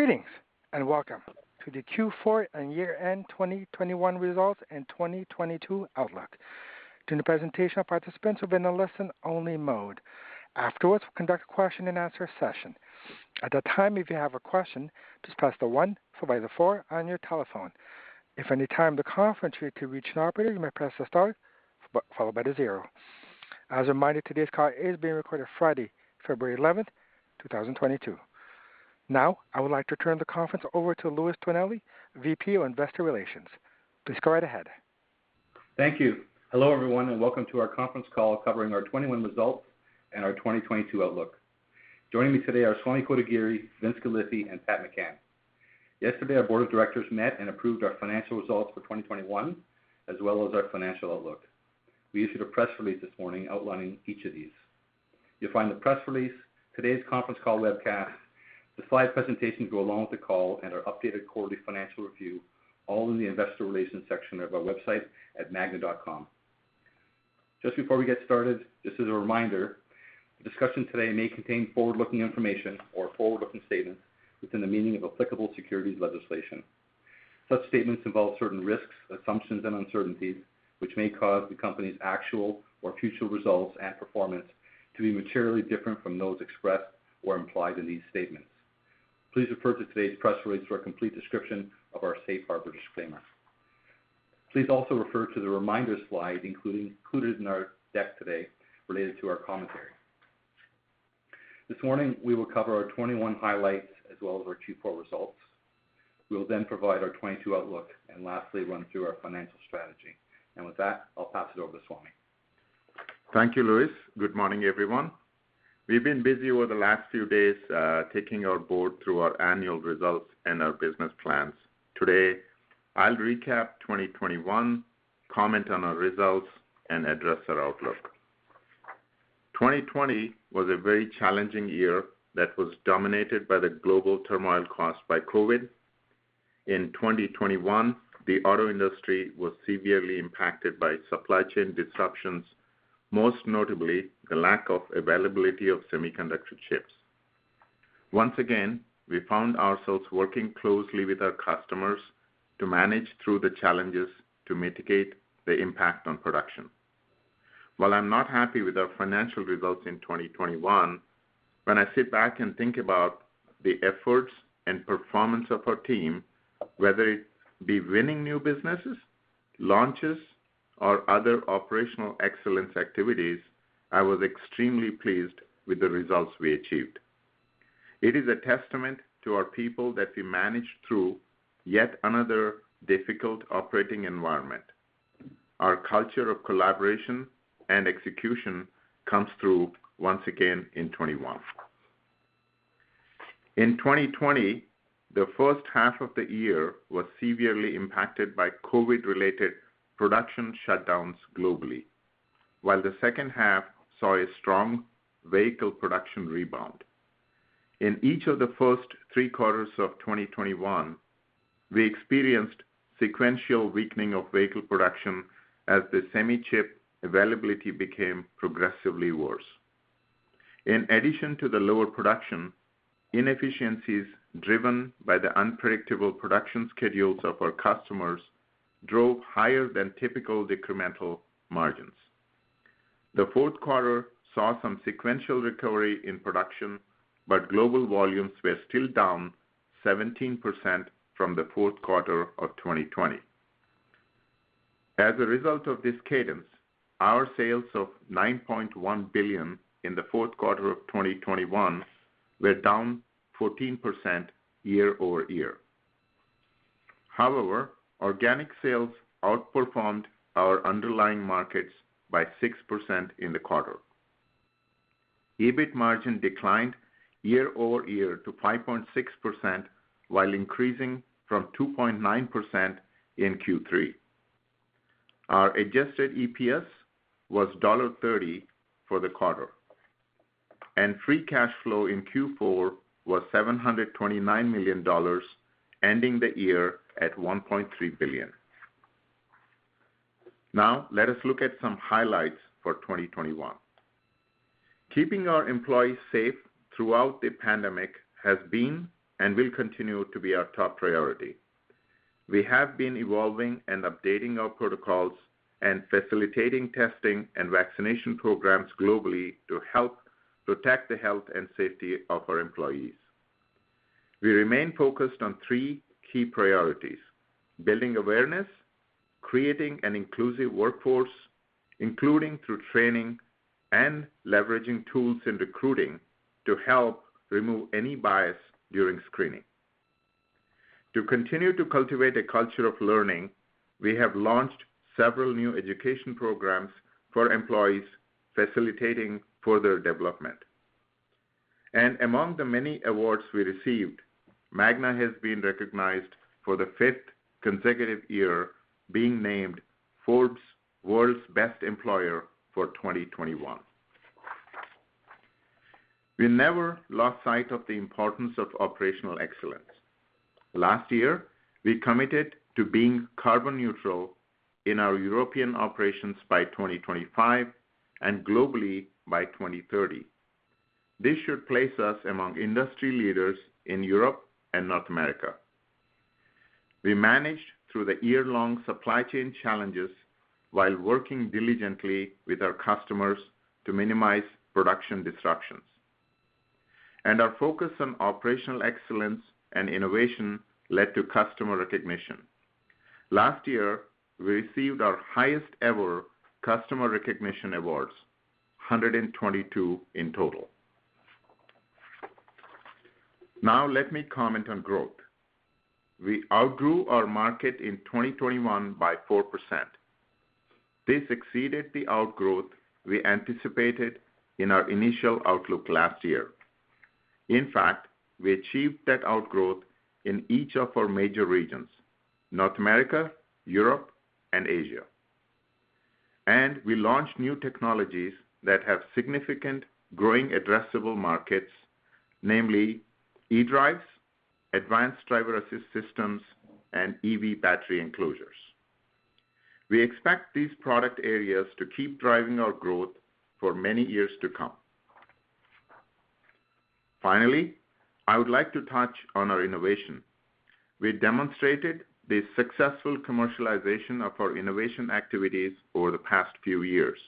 Greetings and welcome to the Q4 and year-end 2021 results and 2022 outlook. During the presentation, participants will be in a listen-only mode. Afterwards, we'll conduct a question-and-answer session. At that time, if you have a question, just press one followed by four on your telephone. If at any time during the conference you need to reach an operator, you may press star followed by zero. As a reminder, today's call is being recorded, Friday, February 11, 2022. Now, I would like to turn the conference over to Louis Tonelli, VP of Investor Relations. Please go ahead. Thank you. Hello, everyone, and welcome to our conference call covering our 2021 results and our 2022 outlook. Joining me today are Swamy Kotagiri, Vince Galifi, and Pat McCann. Yesterday, our board of directors met and approved our financial results for 2021, as well as our financial outlook. We issued a press release this morning outlining each of these. You'll find the press release, today's conference call webcast, the slide presentations go along with the call and our updated quarterly financial review all in the investor relations section of our website at magna.com. Just before we get started, just as a reminder, the discussion today may contain forward-looking information or forward-looking statements within the meaning of applicable securities legislation. Such statements involve certain risks, assumptions, and uncertainties which may cause the company's actual or future results and performance to be materially different from those expressed or implied in these statements. Please refer to today's press release for a complete description of our safe harbor disclaimer. Please also refer to the reminders slide included in our deck today related to our commentary. This morning, we will cover our 2021 highlights as well as our Q4 results. We will then provide our 2022 outlook and lastly run through our financial strategy. With that, I'll pass it over to Swamy. Thank you, Louis. Good morning, everyone. We've been busy over the last few days, taking our board through our annual results and our business plans. Today, I'll recap 2021, comment on our results, and address our outlook. 2020 was a very challenging year that was dominated by the global turmoil caused by COVID. In 2021, the auto industry was severely impacted by supply chain disruptions, most notably the lack of availability of semiconductor chips. Once again, we found ourselves working closely with our customers to manage through the challenges to mitigate the impact on production. While I'm not happy with our financial results in 2021, when I sit back and think about the efforts and performance of our team, whether it be winning new businesses, launches, or other operational excellence activities, I was extremely pleased with the results we achieved. It is a testament to our people that we managed through yet another difficult operating environment. Our culture of collaboration and execution comes through once again in 2021. In 2020, the first half of the year was severely impacted by COVID-related production shutdowns globally, while the second half saw a strong vehicle production rebound. In each of the first three quarters of 2021, we experienced sequential weakening of vehicle production as the semi-chip availability became progressively worse. In addition to the lower production, inefficiencies driven by the unpredictable production schedules of our customers drove higher than typical decremental margins. The fourth quarter saw some sequential recovery in production, but global volumes were still down 17% from the fourth quarter of 2020. As a result of this cadence, our sales of $9.1 billion in the fourth quarter of 2021 were down 14% year-over-year. However, organic sales outperformed our underlying markets by 6% in the quarter. EBIT margin declined year-over-year to 5.6% while increasing from 2.9% in Q3. Our adjusted EPS was $0.30 for the quarter, and free cash flow in Q4 was $729 million, ending the year at $1.3 billion. Now, let us look at some highlights for 2021. Keeping our employees safe throughout the pandemic has been and will continue to be our top priority. We have been evolving and updating our protocols and facilitating testing and vaccination programs globally to help protect the health and safety of our employees. We remain focused on three key priorities: building awareness, creating an inclusive workforce, including through training and leveraging tools in recruiting to help remove any bias during screening. To continue to cultivate a culture of learning, we have launched several new education programs for employees, facilitating further development. Among the many awards we received, Magna has been recognized for the fifth consecutive year, being named Forbes World's Best Employer for 2021. We never lost sight of the importance of operational excellence. Last year, we committed to being carbon neutral in our European operations by 2025 and globally by 2030. This should place us among industry leaders in Europe and North America. We managed through the year-long supply chain challenges while working diligently with our customers to minimize production disruptions. Our focus on operational excellence and innovation led to customer recognition. Last year, we received our highest ever customer recognition awards, 122 in total. Now, let me comment on growth. We outgrew our market in 2021 by 4%. This exceeded the outgrowth we anticipated in our initial outlook last year. In fact, we achieved that outgrowth in each of our major regions, North America, Europe, and Asia. We launched new technologies that have significant growing addressable markets, namely eDrives, advanced driver assistance systems, and EV battery enclosures. We expect these product areas to keep driving our growth for many years to come. Finally, I would like to touch on our innovation. We demonstrated the successful commercialization of our innovation activities over the past few years.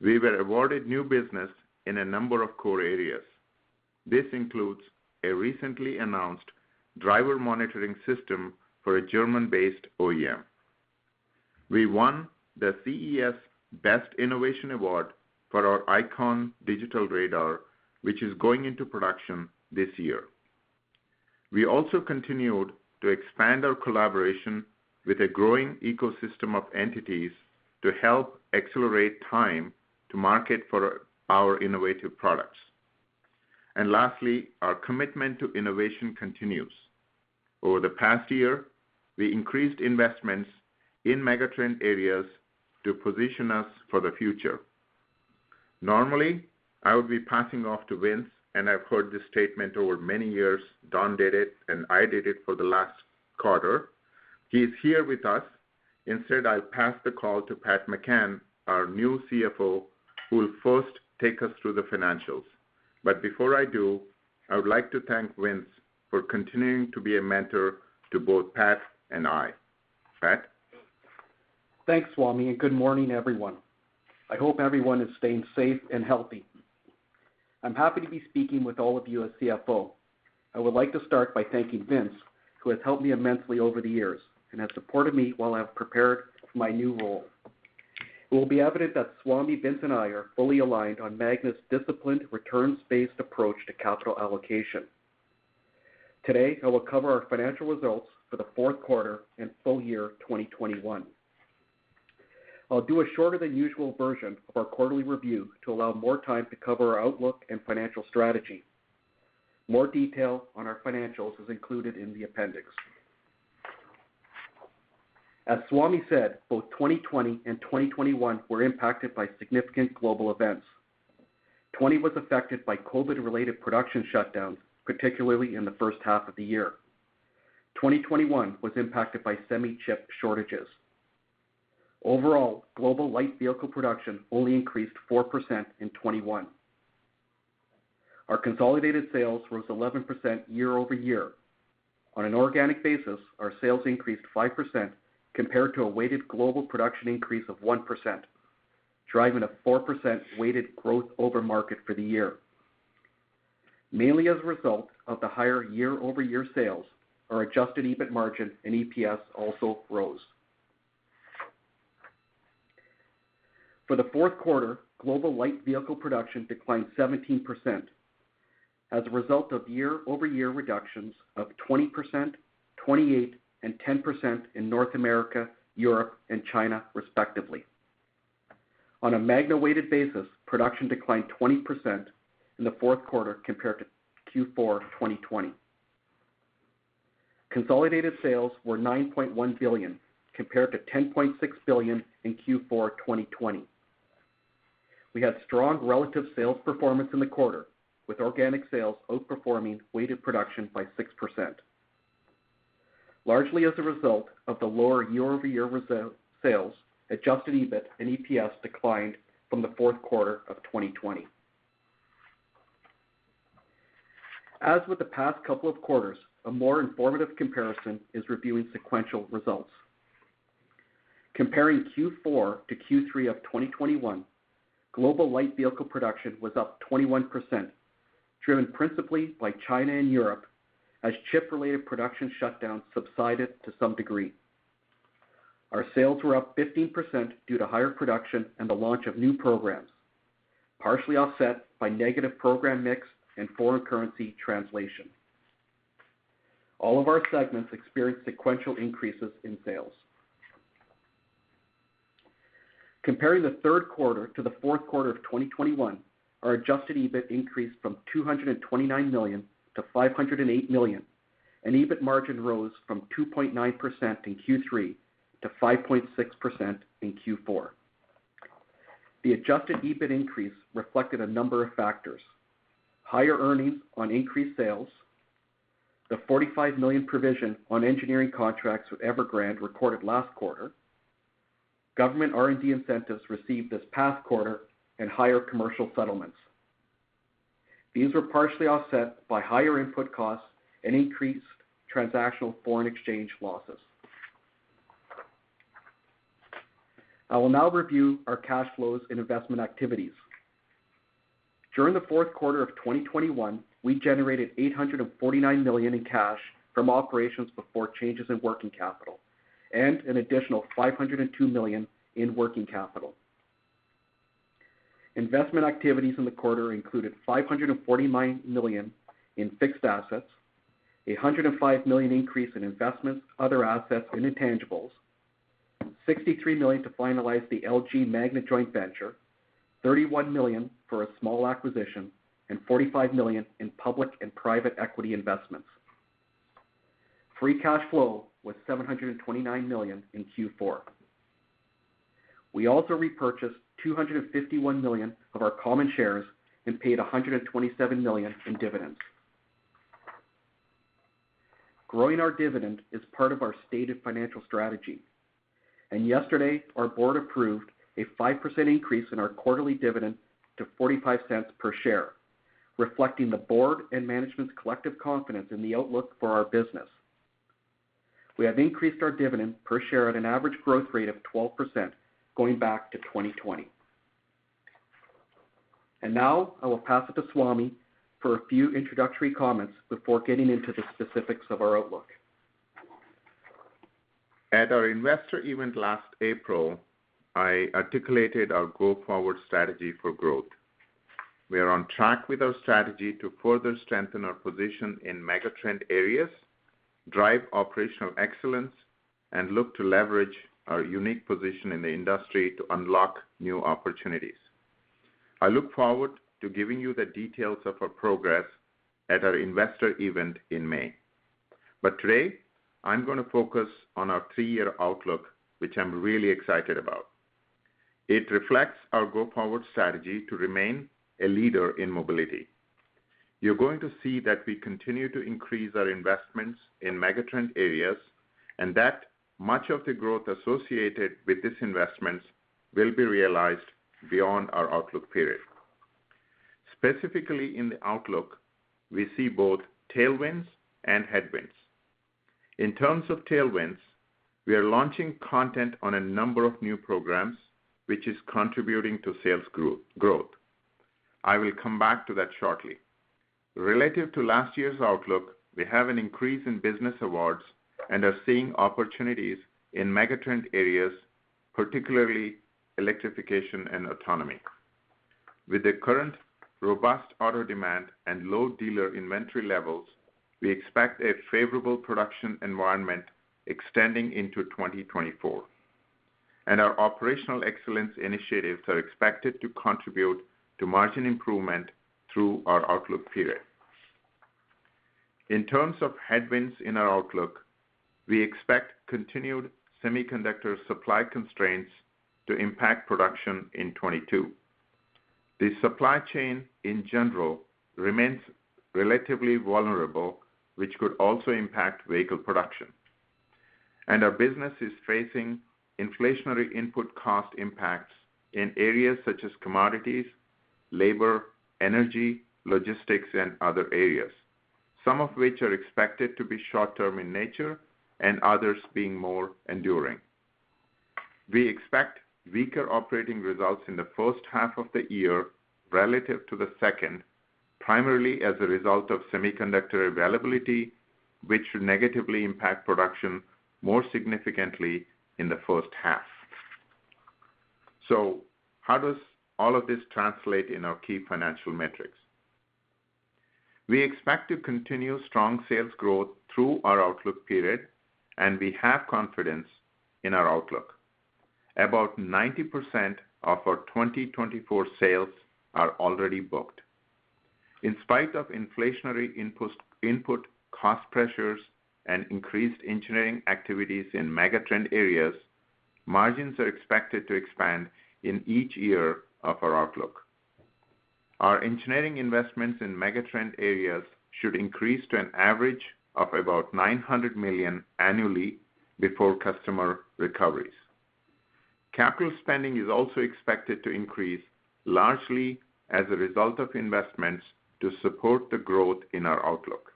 We were awarded new business in a number of core areas. This includes a recently announced Driver Monitoring System for a German-based OEM. We won the CES Best of Innovation Award for our ICON Digital Radar, which is going into production this year. We also continued to expand our collaboration with a growing ecosystem of entities to help accelerate time to market for our innovative products. Lastly, our commitment to innovation continues. Over the past year, we increased investments in megatrend areas to position us for the future. Normally, I would be passing off to Vince, and I've heard this statement over many years. Don did it and I did it for the last quarter. He's here with us. Instead, I'll pass the call to Pat McCann, our new CFO, who will first take us through the financials. Before I do, I would like to thank Vince for continuing to be a mentor to both Pat and I. Pat. Thanks, Swamy, and good morning, everyone. I hope everyone is staying safe and healthy. I'm happy to be speaking with all of you as CFO. I would like to start by thanking Vince, who has helped me immensely over the years and has supported me while I've prepared for my new role. It will be evident that Swamy, Vince, and I are fully aligned on Magna's disciplined returns-based approach to capital allocation. Today, I will cover our financial results for the fourth quarter and full year 2021. I'll do a shorter than usual version of our quarterly review to allow more time to cover our outlook and financial strategy. More detail on our financials is included in the appendix. As Swamy said, both 2020 and 2021 were impacted by significant global events. 2020 was affected by COVID-related production shutdowns, particularly in the first half of the year. 2021 was impacted by semi-chip shortages. Overall, global light vehicle production only increased 4% in 2021. Our consolidated sales rose 11% year-over-year. On an organic basis, our sales increased 5% compared to a weighted global production increase of 1%, driving a 4% weighted growth over market for the year. Mainly as a result of the higher year-over-year sales, our adjusted EBIT margin and EPS also rose. For the fourth quarter, global light vehicle production declined 17% as a result of year-over-year reductions of 20%, 28%, and 10% in North America, Europe, and China, respectively. On a Magna-weighted basis, production declined 20% in the fourth quarter compared to Q4 2020. Consolidated sales were $9.1 billion compared to $10.6 billion in Q4 2020. We had strong relative sales performance in the quarter with organic sales outperforming weighted production by 6%. Largely as a result of the lower year-over-year sales, adjusted EBIT and EPS declined from the fourth quarter of 2020. As with the past couple of quarters, a more informative comparison is reviewing sequential results. Comparing Q4 to Q3 of 2021, global light vehicle production was up 21%, driven principally by China and Europe as chip-related production shutdowns subsided to some degree. Our sales were up 15% due to higher production and the launch of new programs, partially offset by negative program mix and foreign currency translation. All of our segments experienced sequential increases in sales. Comparing the third quarter to the fourth quarter of 2021, our adjusted EBIT increased from $229 million to $508 million, and EBIT margin rose from 2.9% in Q3 to 5.6% in Q4. The adjusted EBIT increase reflected a number of factors. Higher earnings on increased sales, the $45 million provision on engineering contracts with Evergrande recorded last quarter, government R&D incentives received this past quarter, and higher commercial settlements. These were partially offset by higher input costs and increased transactional foreign exchange losses. I will now review our cash flows and investment activities. During the fourth quarter of 2021, we generated $849 million in cash from operations before changes in working capital, and an additional $502 million in working capital. Investment activities in the quarter included $549 million in fixed assets, $105 million increase in investments, other assets, and intangibles, $63 million to finalize the LG Magna joint venture, $31 million for a small acquisition, and $45 million in public and private equity investments. Free cash flow was $729 million in Q4. We also repurchased $251 million of our common shares and paid $127 million in dividends. Growing our dividend is part of our stated financial strategy. Yesterday, our board approved a 5% increase in our quarterly dividend to $0.45 per share, reflecting the board and management's collective confidence in the outlook for our business. We have increased our dividend per share at an average growth rate of 12% going back to 2020. Now I will pass it to Swamy for a few introductory comments before getting into the specifics of our outlook. At our investor event last April, I articulated our go-forward strategy for growth. We are on track with our strategy to further strengthen our position in megatrend areas, drive operational excellence, and look to leverage our unique position in the industry to unlock new opportunities. I look forward to giving you the details of our progress at our investor event in May. Today, I'm gonna focus on our three-year outlook, which I'm really excited about. It reflects our go-forward strategy to remain a leader in mobility. You're going to see that we continue to increase our investments in megatrend areas and that much of the growth associated with these investments will be realized beyond our outlook period. Specifically in the outlook, we see both tailwinds and headwinds. In terms of tailwinds, we are launching content on a number of new programs, which is contributing to sales growth. I will come back to that shortly. Relative to last year's outlook, we have an increase in business awards and are seeing opportunities in megatrend areas, particularly electrification and autonomy. With the current robust auto demand and low dealer inventory levels, we expect a favorable production environment extending into 2024. Our operational excellence initiatives are expected to contribute to margin improvement through our outlook period. In terms of headwinds in our outlook, we expect continued semiconductor supply constraints to impact production in 2022. The supply chain in general remains relatively vulnerable, which could also impact vehicle production. Our business is facing inflationary input cost impacts in areas such as commodities, labor, energy, logistics, and other areas, some of which are expected to be short-term in nature and others being more enduring. We expect weaker operating results in the first half of the year relative to the second, primarily as a result of semiconductor availability, which should negatively impact production more significantly in the first half. How does all of this translate in our key financial metrics? We expect to continue strong sales growth through our outlook period, and we have confidence in our outlook. About 90% of our 2024 sales are already booked. In spite of inflationary input cost pressures and increased engineering activities in megatrend areas, margins are expected to expand in each year of our outlook. Our engineering investments in megatrend areas should increase to an average of about $900 million annually before customer recoveries. Capital spending is also expected to increase largely as a result of investments to support the growth in our outlook.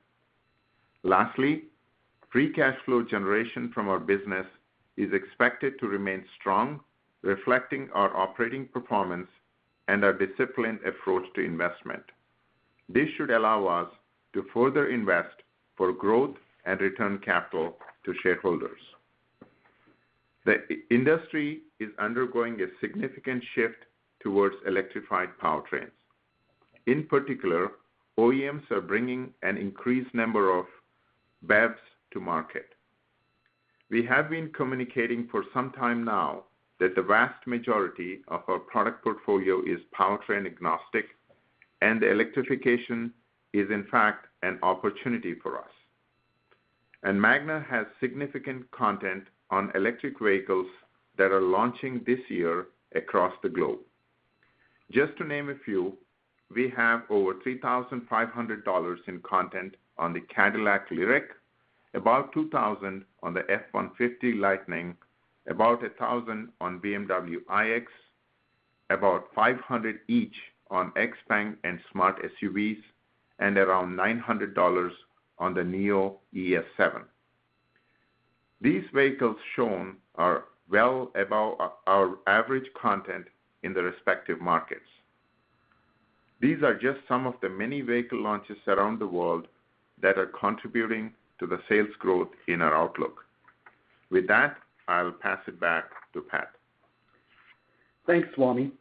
Lastly, free cash flow generation from our business is expected to remain strong, reflecting our operating performance and our disciplined approach to investment. This should allow us to further invest for growth and return capital to shareholders. The industry is undergoing a significant shift towards electrified powertrains. In particular, OEMs are bringing an increased number of BEVs to market. We have been communicating for some time now that the vast majority of our product portfolio is powertrain agnostic and electrification is in fact an opportunity for us. Magna has significant content on electric vehicles that are launching this year across the globe. Just to name a few, we have over $3,500 in content on the Cadillac LYRIQ, about $2,000 on the F-150 Lightning, about $1,000 on BMW iX, about $500 each on XPENG and Smart SUVs, and around $900 on the NIO ES7. These vehicles shown are well above our average content in the respective markets. These are just some of the many vehicle launches around the world that are contributing to the sales growth in our outlook. With that, I'll pass it back to Pat. Thanks, Swamy.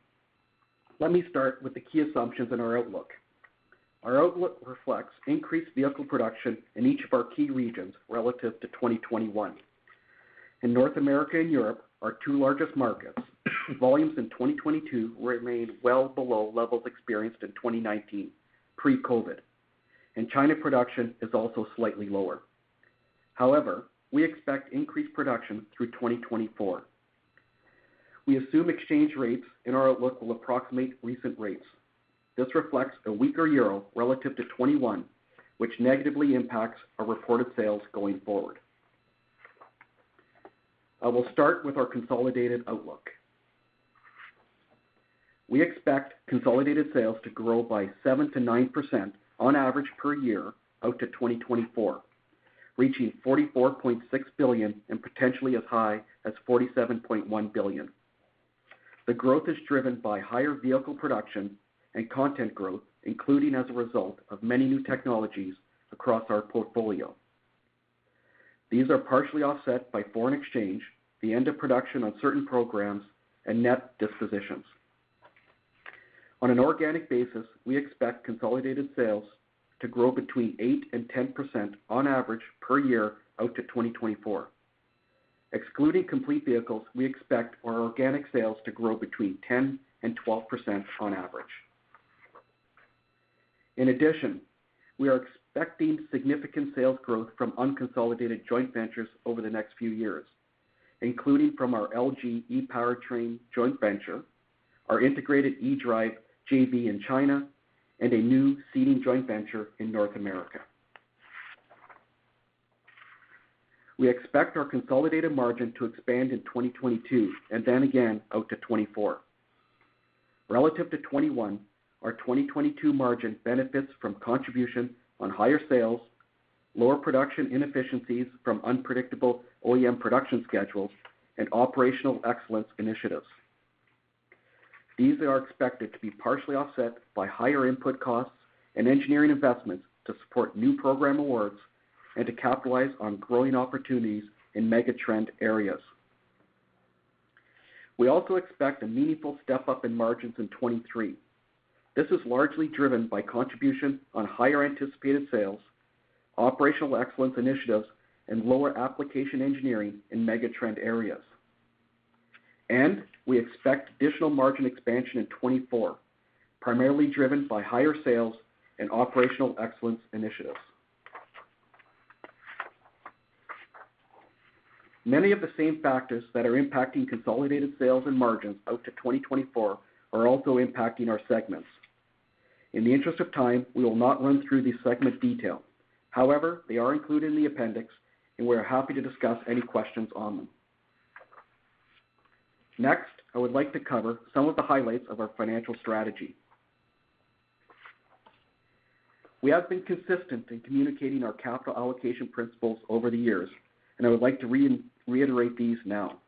Let me start with the key assumptions in our outlook. Our outlook reflects increased vehicle production in each of our key regions relative to 2021. In North America and Europe, our two largest markets, volumes in 2022 remained well below levels experienced in 2019, pre-COVID, and China production is also slightly lower. However, we expect increased production through 2024. We assume exchange rates in our outlook will approximate recent rates. This reflects a weaker euro relative to 2021, which negatively impacts our reported sales going forward. I will start with our consolidated outlook. We expect consolidated sales to grow by 7%-9% on average per year out to 2024, reaching $44.6 billion and potentially as high as $47.1 billion. The growth is driven by higher vehicle production and content growth, including as a result of many new technologies across our portfolio. These are partially offset by foreign exchange, the end of production on certain programs, and net dispositions. On an organic basis, we expect consolidated sales to grow between 8% and 10% on average per year out to 2024. Excluding complete vehicles, we expect our organic sales to grow between 10% and 12% on average. In addition, we are expecting significant sales growth from unconsolidated joint ventures over the next few years, including from our LG e-powertrain joint venture, our integrated eDrive JV in China, and a new seating joint venture in North America. We expect our consolidated margin to expand in 2022 and then again out to 2024. Relative to 2021, our 2022 margin benefits from contribution on higher sales, lower production inefficiencies from unpredictable OEM production schedules, and operational excellence initiatives. These are expected to be partially offset by higher input costs and engineering investments to support new program awards and to capitalize on growing opportunities in megatrend areas. We also expect a meaningful step-up in margins in 2023. This is largely driven by contribution on higher anticipated sales, operational excellence initiatives, and lower application engineering in megatrend areas. We expect additional margin expansion in 2024, primarily driven by higher sales and operational excellence initiatives. Many of the same factors that are impacting consolidated sales and margins out to 2024 are also impacting our segments. In the interest of time, we will not run through these segment details. However, they are included in the appendix, and we are happy to discuss any questions on them. Next, I would like to cover some of the highlights of our financial strategy. We have been consistent in communicating our capital allocation principles over the years, and I would like to reiterate these now.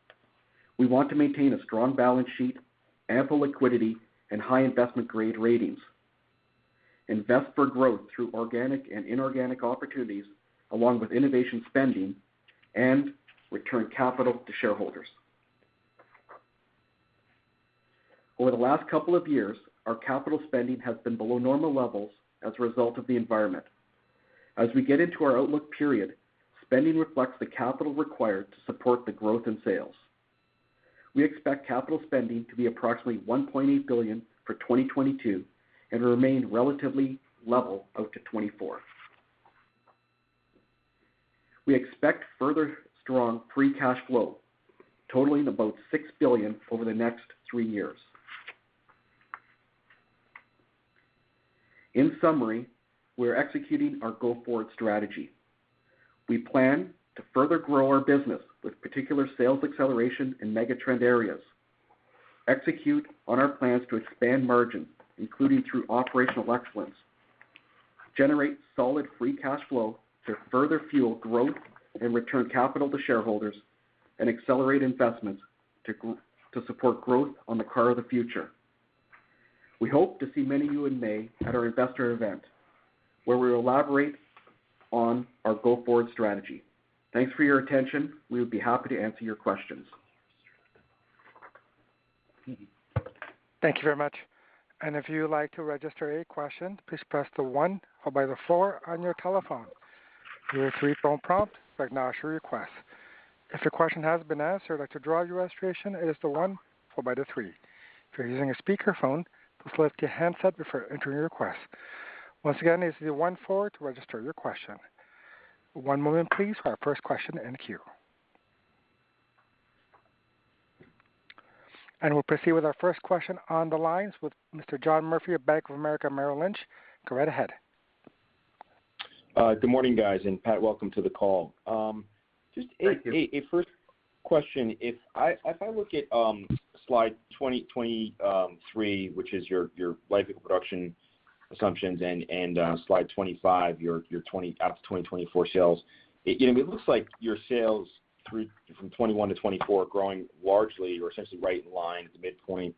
We want to maintain a strong balance sheet, ample liquidity, and high investment-grade ratings, invest for growth through organic and inorganic opportunities, along with innovation spending, and return capital to shareholders. Over the last couple of years, our capital spending has been below normal levels as a result of the environment. As we get into our outlook period, spending reflects the capital required to support the growth in sales. We expect capital spending to be approximately $1.8 billion for 2022 and remain relatively level out to 2024. We expect further strong free cash flow totaling about $6 billion over the next three years. In summary, we are executing our go-forward strategy. We plan to further grow our business with particular sales acceleration in megatrend areas, execute on our plans to expand margin, including through operational excellence, generate solid free cash flow to further fuel growth and return capital to shareholders, and accelerate investments to support growth on the car of the future. We hope to see many of you in May at our investor event, where we will elaborate on our go-forward strategy. Thanks for your attention. We would be happy to answer your questions. Thank you very much. And if you would like to register a question, please press the one followed by the four on your telephone. You will hear phone prompt that acknowledge your request. One moment please for our first question in the queue. We'll proceed with our first question on the lines with Mr. John Murphy of Bank of America Merrill Lynch. Go right ahead. Good morning, guys. Pat, welcome to the call. Thank you. Just a first question. If I look at slide 23, which is your life and production assumptions and slide 25, your outlook to 2024 sales, you know, it looks like your sales through from 2021 to 2024 are growing largely or essentially right in line at the midpoint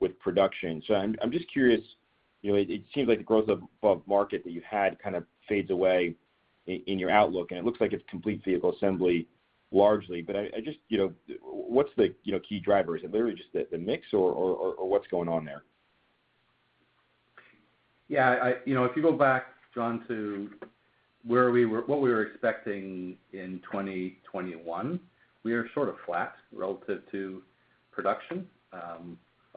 with production. I'm just curious, you know, it seems like the growth of market that you had kind of fades away in your outlook, and it looks like it's complete vehicle assembly largely. But I just, you know. What's the key driver? Is it literally just the mix or what's going on there? You know, if you go back, John, to what we were expecting in 2021, we are sort of flat relative to production, our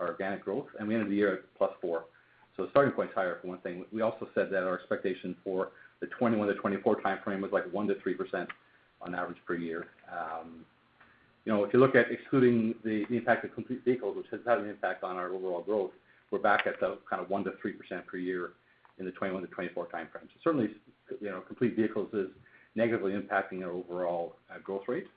organic growth, and we ended the year at +4%. The starting point's higher for one thing. We also said that our expectation for the 2021-2024 timeframe was, like, 1%-3% on average per year. You know, if you look at excluding the impact of complete vehicles, which has had an impact on our overall growth, we're back at the kind of 1%-3% per year in the 2021-2024 timeframe. Certainly, you know, complete vehicles is negatively impacting our overall growth rate.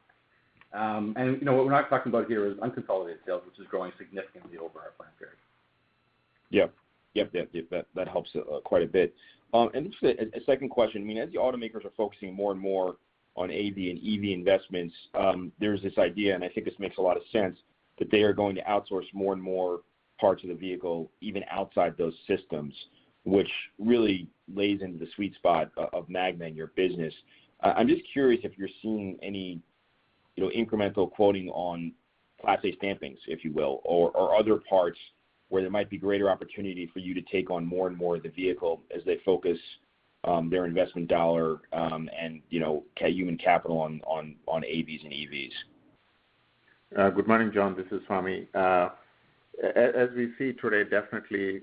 You know, what we're not talking about here is unconsolidated sales, which is growing significantly over our plan period. Yep, that helps quite a bit. Just a second question. I mean, as the automakers are focusing more and more on AV and EV investments, there's this idea, and I think this makes a lot of sense, that they are going to outsource more and more parts of the vehicle, even outside those systems, which really plays into the sweet spot of Magna and your business. I'm just curious if you're seeing any, you know, incremental quoting on Class A stampings, if you will, or other parts where there might be greater opportunity for you to take on more and more of the vehicle as they focus their investment dollar, and, you know, human capital on AVs and EVs. Good morning, John. This is Swamy. As we see today, definitely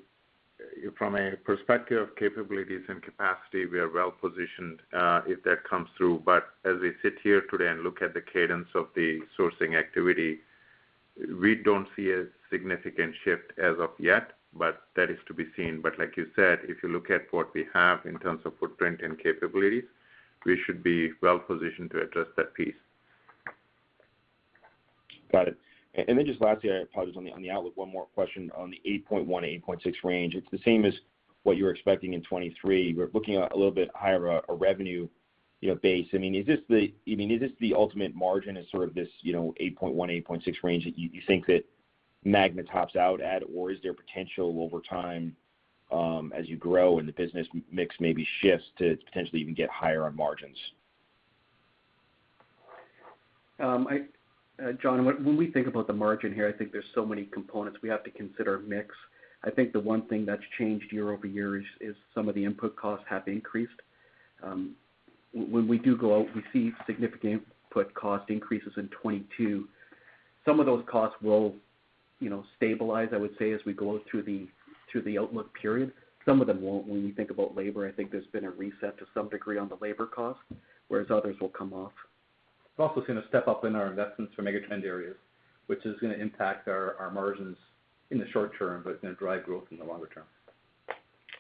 from a perspective of capabilities and capacity, we are well positioned, if that comes through. As we sit here today and look at the cadence of the sourcing activity, we don't see a significant shift as of yet, but that is to be seen. Like you said, if you look at what we have in terms of footprint and capabilities, we should be well positioned to address that piece. Got it. Just lastly, I probably just on the outlook, one more question on the 8.1%-8.6% range. It's the same as what you were expecting in 2023. We're looking at a little bit higher revenue, you know, base. I mean, is this the ultimate margin as sort of this, you know, 8.1%-8.6% range that you think that Magna tops out at? Or is there potential over time, as you grow and the business mix maybe shifts to potentially even get higher on margins? John, when we think about the margin here, I think there's so many components. We have to consider mix. I think the one thing that's changed year-over-year is some of the input costs have increased. When we do go out, we see significant input cost increases in 2022. Some of those costs will, you know, stabilize, I would say, as we go out through the outlook period. Some of them won't. When you think about labor, I think there's been a reset to some degree on the labor cost, whereas others will come off. We're also gonna step up in our investments for megatrend areas, which is gonna impact our margins in the short term, but it's gonna drive growth in the longer term.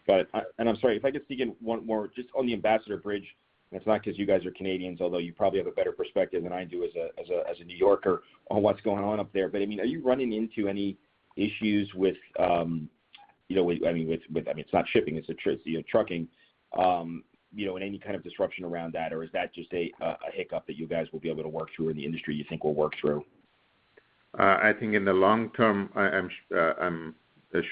Got it. I'm sorry, if I could sneak in one more just on the Ambassador Bridge, and it's not 'cause you guys are Canadians, although you probably have a better perspective than I do as a New Yorker on what's going on up there. I mean, are you running into any issues with, you know, I mean, with. I mean, it's not shipping, it's trucking, you know, and any kind of disruption around that, or is that just a hiccup that you guys will be able to work through and the industry you think will work through? I think in the long term, I'm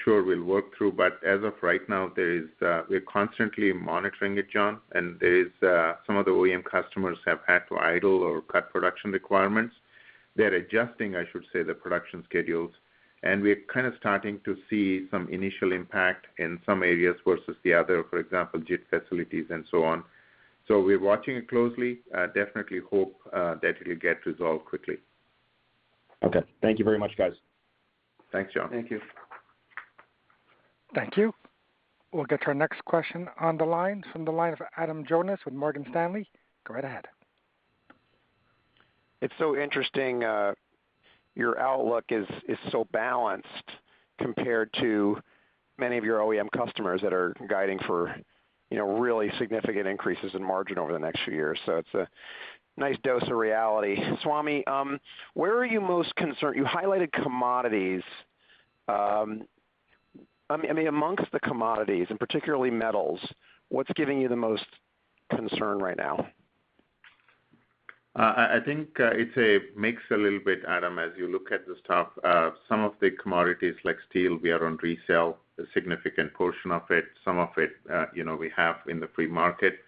sure we'll work through. As of right now, we're constantly monitoring it, John, and some of the OEM customers have had to idle or cut production requirements. They're adjusting, I should say, the production schedules, and we're kind of starting to see some initial impact in some areas versus the other, for example, JIT facilities and so on. We're watching it closely. I definitely hope that it'll get resolved quickly. Okay. Thank you very much, guys. Thanks, John. Thank you. Thank you. We'll get to our next question on the line from the line of Adam Jonas with Morgan Stanley. Go right ahead. It's so interesting, your outlook is so balanced compared to many of your OEM customers that are guiding for, you know, really significant increases in margin over the next few years. It's a nice dose of reality. Swamy, where are you most concerned? You highlighted commodities. I mean, among the commodities, and particularly metals, what's giving you the most concern right now? I think it's a mix a little bit, Adam, as you look at the stuff. Some of the commodities like steel, we are on resale, a significant portion of it. Some of it, you know, we have in the free market.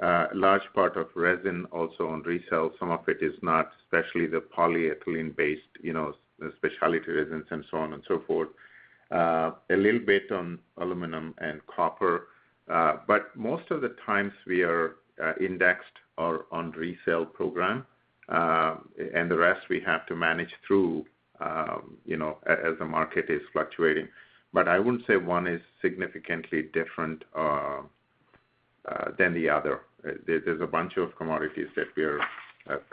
Large part of resin also on resale. Some of it is not, especially the polyethylene-based, you know, specialty resins and so on and so forth. A little bit on aluminum and copper. Most of the times we are indexed or on resale program and the rest we have to manage through, you know, as the market is fluctuating. I wouldn't say one is significantly different than the other. There's a bunch of commodities that we are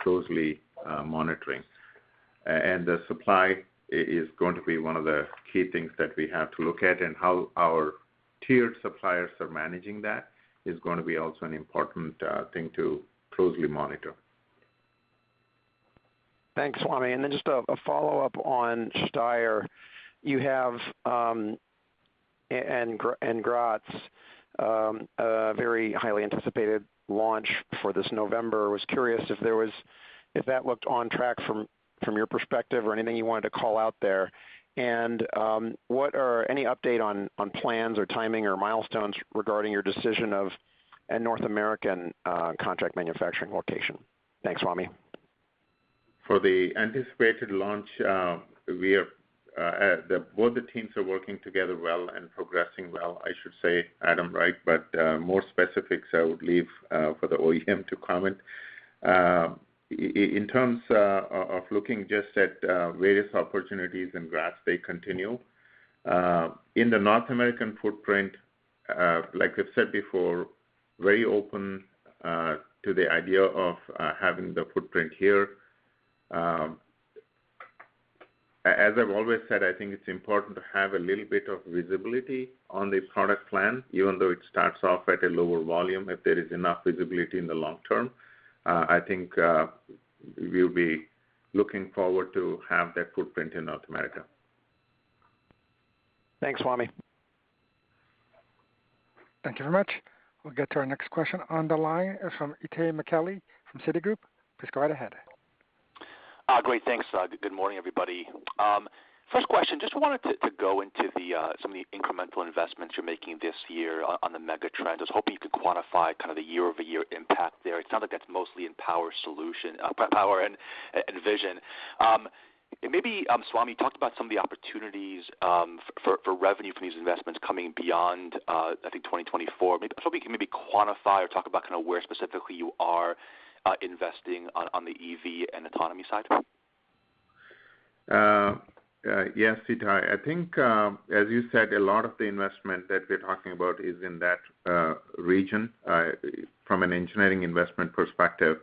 closely monitoring. The supply is going to be one of the key things that we have to look at, and how our tiered suppliers are managing that is gonna be also an important thing to closely monitor. Thanks, Swamy. Just a follow-up on Steyr. You have in Graz a very highly anticipated launch for this November. Was curious if that looked on track from your perspective or anything you wanted to call out there. Any update on plans or timing or milestones regarding your decision of a North American contract manufacturing location? Thanks, Swamy. For the anticipated launch, both the teams are working together well and progressing well, I should say, Adam, right? More specifics I would leave for the OEM to comment. In terms of looking just at various opportunities in Graz, they continue. In the North American footprint, like I've said before, very open to the idea of having the footprint here. As I've always said, I think it's important to have a little bit of visibility on the product plan, even though it starts off at a lower volume. If there is enough visibility in the long term, I think we'll be looking forward to have that footprint in North America. Thanks, Swamy. Thank you very much. We'll get to our next question on the line from Itay Michaeli from Citigroup. Please go right ahead. Great. Thanks. Good morning, everybody. First question, just wanted to go into some of the incremental investments you're making this year on the megatrend. I was hoping you could quantify kind of the year-over-year impact there. It sounds like that's mostly in Power and Vision. Maybe, Swamy, talk about some of the opportunities for revenue from these investments coming beyond, I think, 2024. Hopefully you can maybe quantify or talk about kinda where specifically you are investing on the EV and autonomy side. Yes, Itay. I think, as you said, a lot of the investment that we're talking about is in that region, from an engineering investment perspective.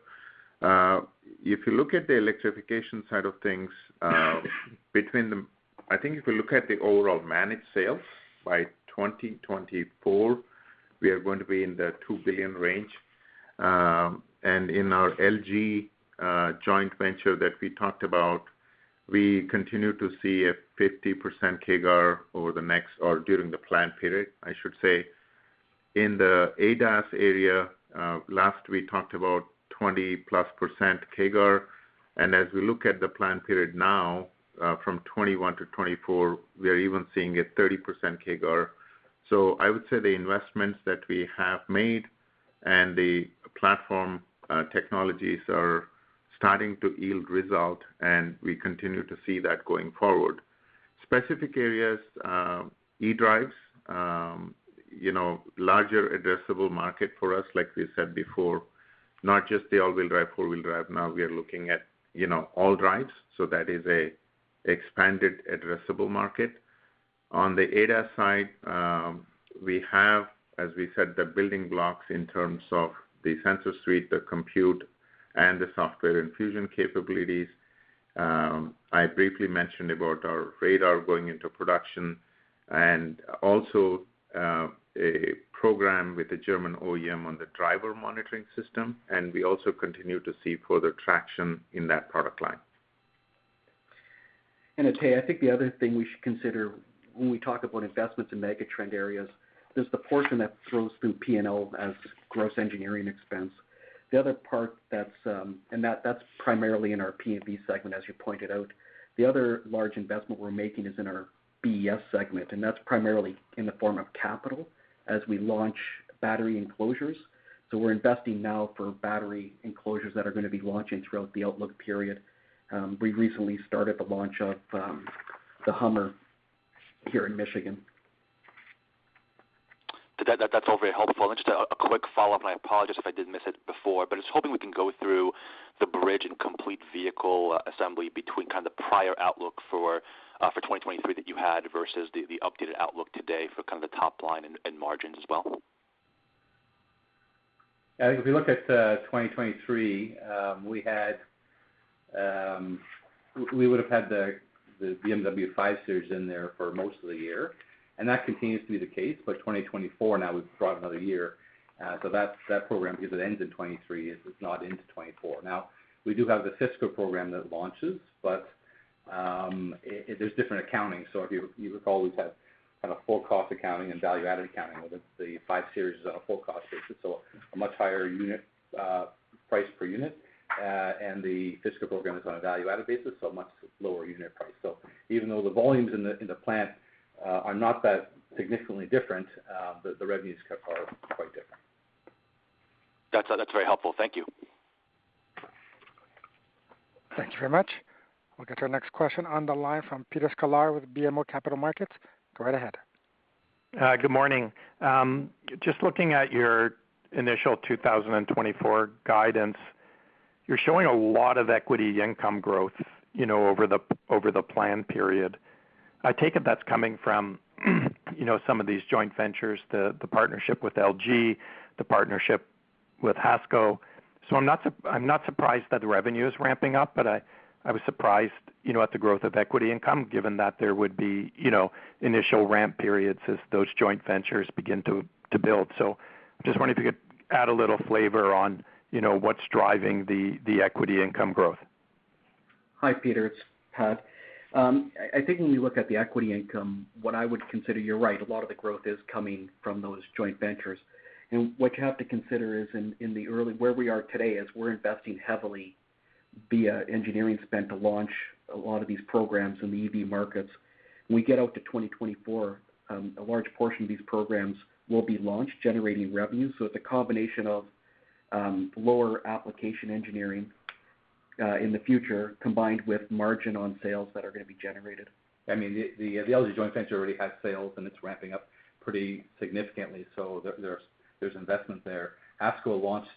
If you look at the electrification side of things, I think if you look at the overall managed sales, by 2024, we are going to be in the $2 billion range. And in our LG joint venture that we talked about, we continue to see a 50% CAGR over the next or during the plan period, I should say. In the ADAS area, last we talked about 20%+ CAGR, and as we look at the plan period now, from 2021 to 2024, we are even seeing a 30% CAGR. I would say the investments that we have made and the platform technologies are starting to yield results, and we continue to see that going forward. Specific areas, e-drives, you know, larger addressable market for us, like we said before, not just the all-wheel drive, four-wheel drive. Now we are looking at, you know, all drives, so that is an expanded addressable market. On the ADAS side, we have, as we said, the building blocks in terms of the sensor suite, the compute, and the software and fusion capabilities. I briefly mentioned about our radar going into production and also a program with a German OEM on the Driver Monitoring System, and we also continue to see further traction in that product line. Itay, I think the other thing we should consider when we talk about investments in megatrend areas, there's the portion that flows through P&L as gross engineering expense. The other part that's primarily in our P&V segment, as you pointed out. The other large investment we're making is in our BES segment, and that's primarily in the form of capital as we launch battery enclosures. We're investing now for battery enclosures that are gonna be launching throughout the outlook period. We recently started the launch of the HUMMER here in Michigan. That's all very helpful. Just a quick follow-up, and I apologize if I did miss it before, but I was hoping we can go through the bridge and complete vehicle assembly between kind of prior outlook for 2023 that you had versus the updated outlook today for kind of the top line and margins as well. I think if you look at 2023, we would have had the BMW 5 Series in there for most of the year, and that continues to be the case. 2024 now we've brought another year. That program, because it ends in '2023, it's just not into '2024. Now, we do have the Fisker program that launches, but there's different accounting. If you recall, we've had kind of full cost accounting and value-added accounting. With the 5 Series is on a full cost basis, so a much higher unit price per unit. The Fisker program is on a value-added basis, so a much lower unit price. Even though the volumes in the plant are not that significantly different, the revenues are quite different. That's very helpful. Thank you. Thank you very much. We'll get to our next question on the line from Peter Sklar with BMO Capital Markets. Go right ahead. Good morning. Just looking at your initial 2024 guidance, you're showing a lot of equity income growth, you know, over the plan period. I take it that's coming from, you know, some of these joint ventures, the partnership with LG, the partnership with HASCO. I'm not surprised that the revenue is ramping up, but I was surprised, you know, at the growth of equity income, given that there would be, you know, initial ramp periods as those joint ventures begin to build. Just wondering if you could add a little flavor on, you know, what's driving the equity income growth. Hi, Peter, it's Pat. I think when you look at the equity income, what I would consider, you're right, a lot of the growth is coming from those joint ventures. What you have to consider is where we are today is we're investing heavily via engineering spend to launch a lot of these programs in the EV markets. When we get out to 2024, a large portion of these programs will be launched, generating revenue. It's a combination of lower application engineering in the future, combined with margin on sales that are gonna be generated. I mean, the LG joint venture already has sales, and it's ramping up pretty significantly, so there's investment there. HASCO launched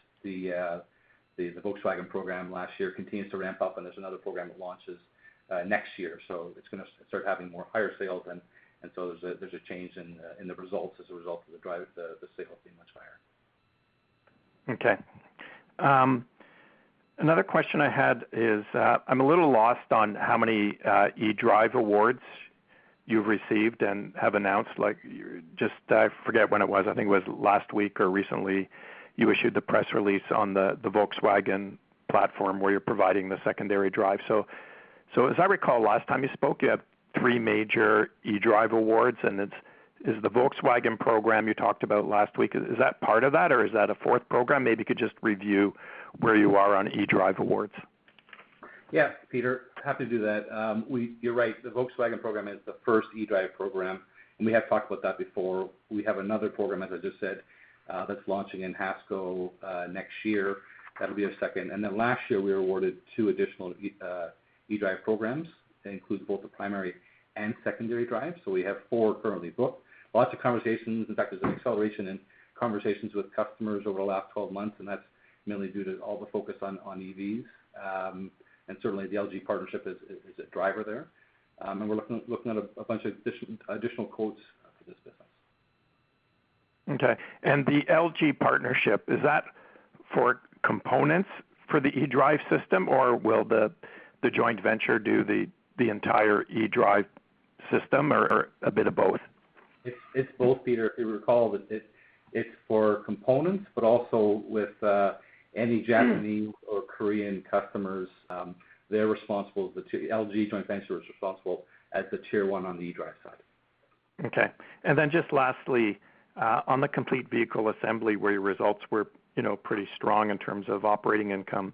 the Volkswagen program last year, continues to ramp up, and there's another program that launches next year. It's gonna start having more higher sales, and so there's a change in the results as a result of the eDrive, the sales being much higher. Okay. Another question I had is, I'm a little lost on how many eDrive awards you've received and have announced, like, just I forget when it was. I think it was last week or recently, you issued the press release on the Volkswagen platform, where you're providing the secondary drive. As I recall, last time you spoke, you had three major eDrive awards, and it's. Is the Volkswagen program you talked about last week, is that part of that, or is that a fourth program? Maybe you could just review where you are on eDrive awards. Yeah, Peter. Happy to do that. You're right. The Volkswagen program is the first eDrive program, and we have talked about that before. We have another program, as I just said, that's launching in HASCO next year. That'll be our second. Last year, we were awarded two additional eDrive programs. That includes both the primary and secondary drives. We have four currently booked. Lots of conversations. In fact, there's an acceleration in conversations with customers over the last 12 months, and that's mainly due to all the focus on EVs. Certainly the LG partnership is a driver there. We're looking at a bunch of additional quotes for this business. Okay. The LG partnership, is that for components for the eDrive system, or will the joint venture do the entire eDrive system or a bit of both? It's both, Peter. If you recall, it's for components, but also with any Japanese or Korean customers, they're responsible, the LG joint venture is responsible as the tier one on the eDrive side. Okay. Just lastly, on the complete vehicle assembly where your results were, you know, pretty strong in terms of operating income,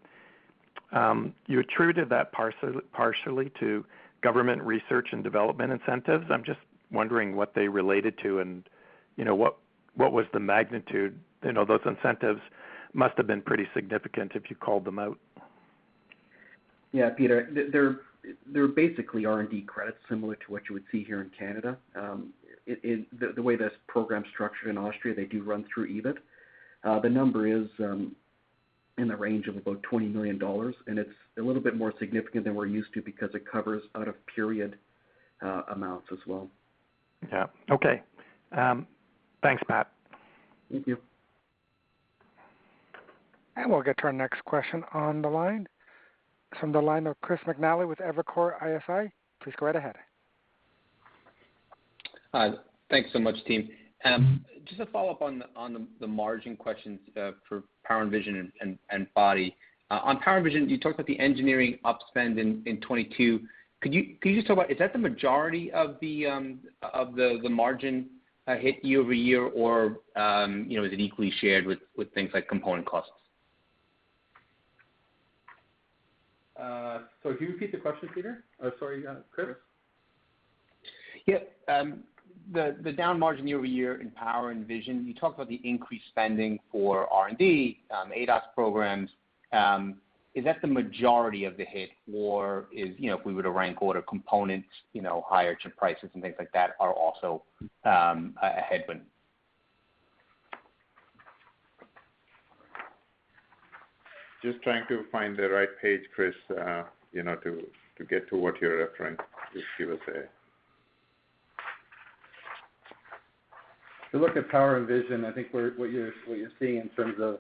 you attributed that partially to government research and development incentives. I'm just wondering what they related to and, you know, what was the magnitude? You know, those incentives must have been pretty significant if you called them out. Yeah, Peter. They're basically R&D credits similar to what you would see here in Canada. The way this program's structured in Austria, they do run through EBIT. The number is in the range of about $20 million, and it's a little bit more significant than we're used to because it covers out of period amounts as well. Yeah. Okay. Thanks, Pat. Thank you. We'll get to our next question on the line. From the line of Chris McNally with Evercore ISI, please go right ahead. Hi. Thanks so much, team. Just to follow up on the margin questions for Power & Vision and Body. On Power & Vision, you talked about the engineering upspend in 2022. Could you just talk about is that the majority of the margin hit year over year or, you know, is it equally shared with things like component costs? Can you repeat the question, Peter? Sorry, Chris? Yeah. The down margin year over year in Power & Vision, you talked about the increased spending for R&D, ADAS programs. Is that the majority of the hit or, you know, if we were to rank order components, you know, higher chip prices and things like that are also a headwind? Just trying to find the right page, Chris, you know, to get to what you're referring to, if you would say. If you look at Power & Vision, I think what you're seeing in terms of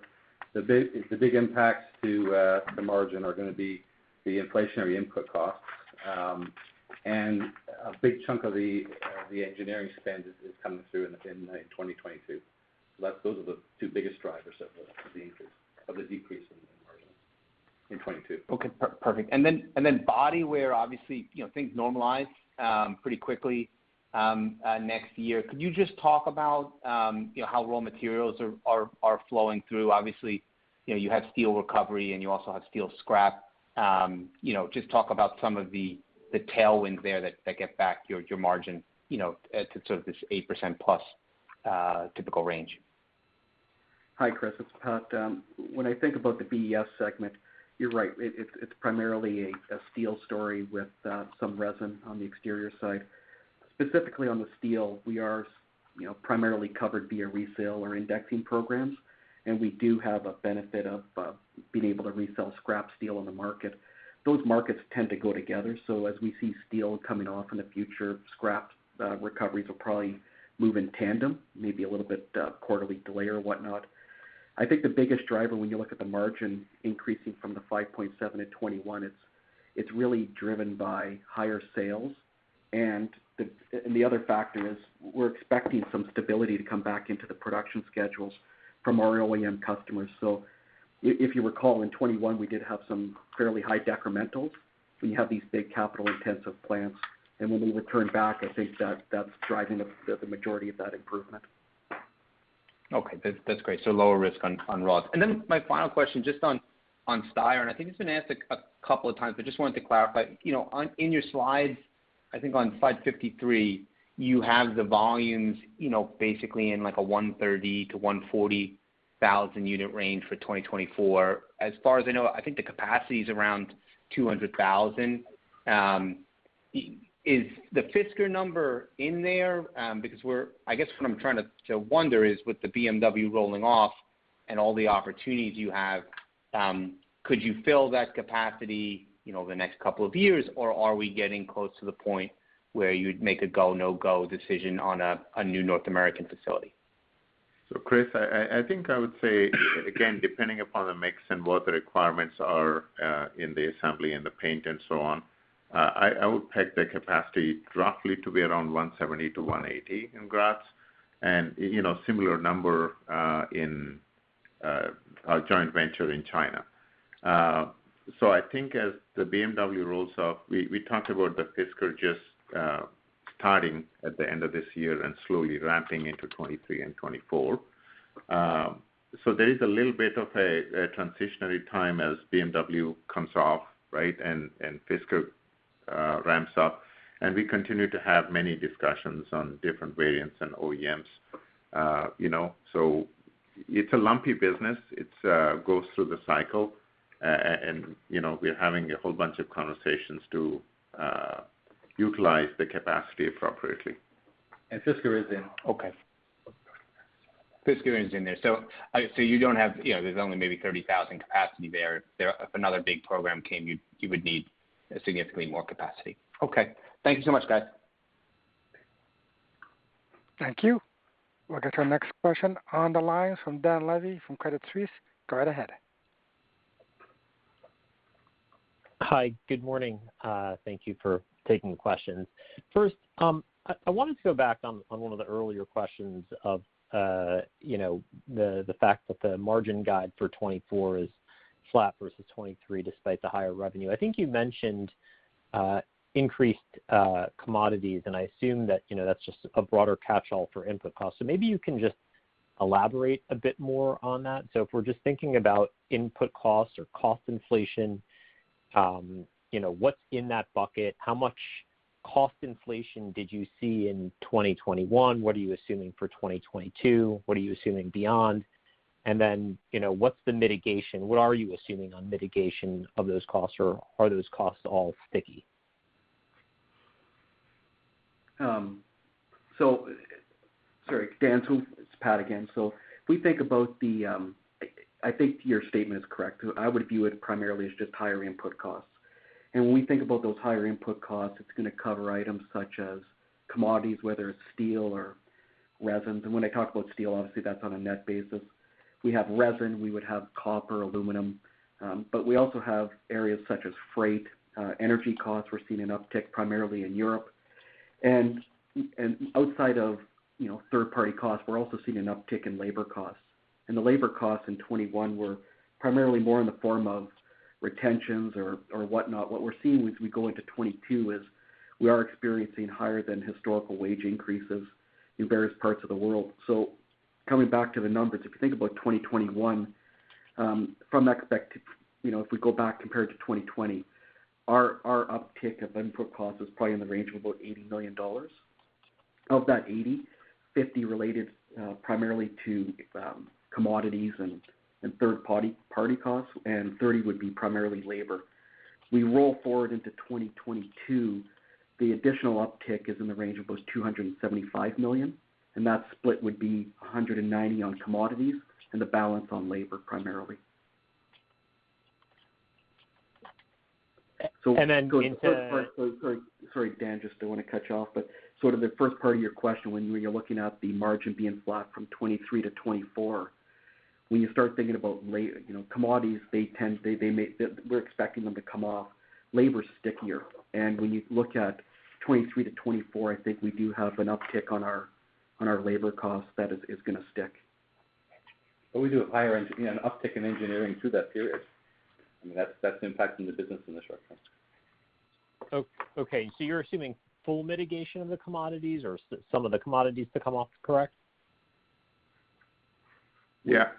the big impacts to the margin are gonna be the inflationary input costs. A big chunk of the engineering spend is coming through in 2022. Those are the two biggest drivers of the decrease in the margin in 2022. Okay. Perfect. Then Body, where obviously, you know, things normalize pretty quickly next year. Could you just talk about, you know, how raw materials are flowing through? Obviously, you know, you have steel recovery, and you also have steel scrap. You know, just talk about some of the tailwinds there that get back your margin, you know, to sort of this 8%+ typical range. Hi, Chris. It's Pat. When I think about the BES segment, you're right. It's primarily a steel story with some resin on the exterior side. Specifically on the steel, we are, you know, primarily covered via resale or indexing programs, and we do have a benefit of being able to resell scrap steel on the market. Those markets tend to go together, so as we see steel coming off in the future, scrap recoveries will probably move in tandem, maybe a little bit quarterly delay or whatnot. I think the biggest driver when you look at the margin increasing from the 5.7% at 2021, it's really driven by higher sales. The other factor is we're expecting some stability to come back into the production schedules from our OEM customers. If you recall, in 2021 we did have some fairly high decrementals. We have these big capital-intensive plants, and when we return back, I think that's driving the majority of that improvement. Okay. That's great. Lower risk on raw. Then my final question just on Steyr. I think it's been asked a couple of times, but just wanted to clarify. You know, in your slides, I think on slide 53, you have the volumes, you know, basically in like a 130,000-140,000 unit range for 2024. As far as I know, I think the capacity is around 200,000. Is the Fisker number in there? Because, I guess, what I'm trying to wonder is, with the BMW rolling off and all the opportunities you have, could you fill that capacity, you know, over the next couple of years? Or are we getting close to the point where you'd make a go, no-go decision on a new North American facility? Chris, I think I would say, again, depending upon the mix and what the requirements are in the assembly and the paint and so on, I would peg the capacity roughly to be around 170-180 in Graz and you know, similar number in our joint venture in China. I think as the BMW rolls off, we talked about the Fisker just starting at the end of this year and slowly ramping into 2023 and 2024. There is a little bit of a transitional time as BMW comes off, right, and Fisker ramps up. We continue to have many discussions on different variants and OEMs, you know. It's a lumpy business. It goes through the cycle. you know, we're having a whole bunch of conversations to utilize the capacity appropriately. Fisker is in. Okay. Fisker is in there. You know, there's only maybe 30,000 capacity there. If another big program came, you would need significantly more capacity. Okay. Thank you so much, guys. Thank you. We'll get your next question on the line from Dan Levy from Credit Suisse. Go right ahead. Hi. Good morning. Thank you for taking questions. First, I wanted to go back on one of the earlier questions of you know the fact that the margin guide for 2024 is flat versus 2023 despite the higher revenue. I think you mentioned increased commodities, and I assume that you know that's just a broader catch-all for input costs. Maybe you can just elaborate a bit more on that. If we're just thinking about input costs or cost inflation you know what's in that bucket? How much cost inflation did you see in 2021? What are you assuming for 2022? What are you assuming beyond? And then you know what's the mitigation? What are you assuming on mitigation of those costs, or are those costs all sticky? Sorry, Dan. It's Pat again. I think your statement is correct. I would view it primarily as just higher input costs. When we think about those higher input costs, it's gonna cover items such as commodities, whether it's steel or resins. When I talk about steel, obviously that's on a net basis. We have resin, we would have copper, aluminum. But we also have areas such as freight, energy costs. We're seeing an uptick primarily in Europe. Outside of, you know, third party costs, we're also seeing an uptick in labor costs. The labor costs in 2021 were primarily more in the form of retentions or whatnot. What we're seeing as we go into 2022 is we are experiencing higher than historical wage increases in various parts of the world. Coming back to the numbers, if you think about 2021, you know, if we go back compared to 2020, our uptick of input costs is probably in the range of about $80 million. Of that $80 million, $50 million related primarily to commodities and third party costs, and $30 million would be primarily labor. We roll forward into 2022, the additional uptick is in the range of about $275 million, and that split would be $190 million on commodities and the balance on labor primarily. And then into- Sorry, Dan, just don't wanna cut you off, but sort of the first part of your question when you're looking at the margin being flat from 2023 to 2024, when you start thinking about commodities, you know, they tend to come off. Labor's stickier. When you look at 2023 to 2024, I think we do have an uptick on our labor costs that is gonna stick. We do have, you know, an uptick in engineering through that period. I mean, that's impacting the business in the short term. Okay. You're assuming full mitigation of the commodities or some of the commodities to come off, correct? Yeah.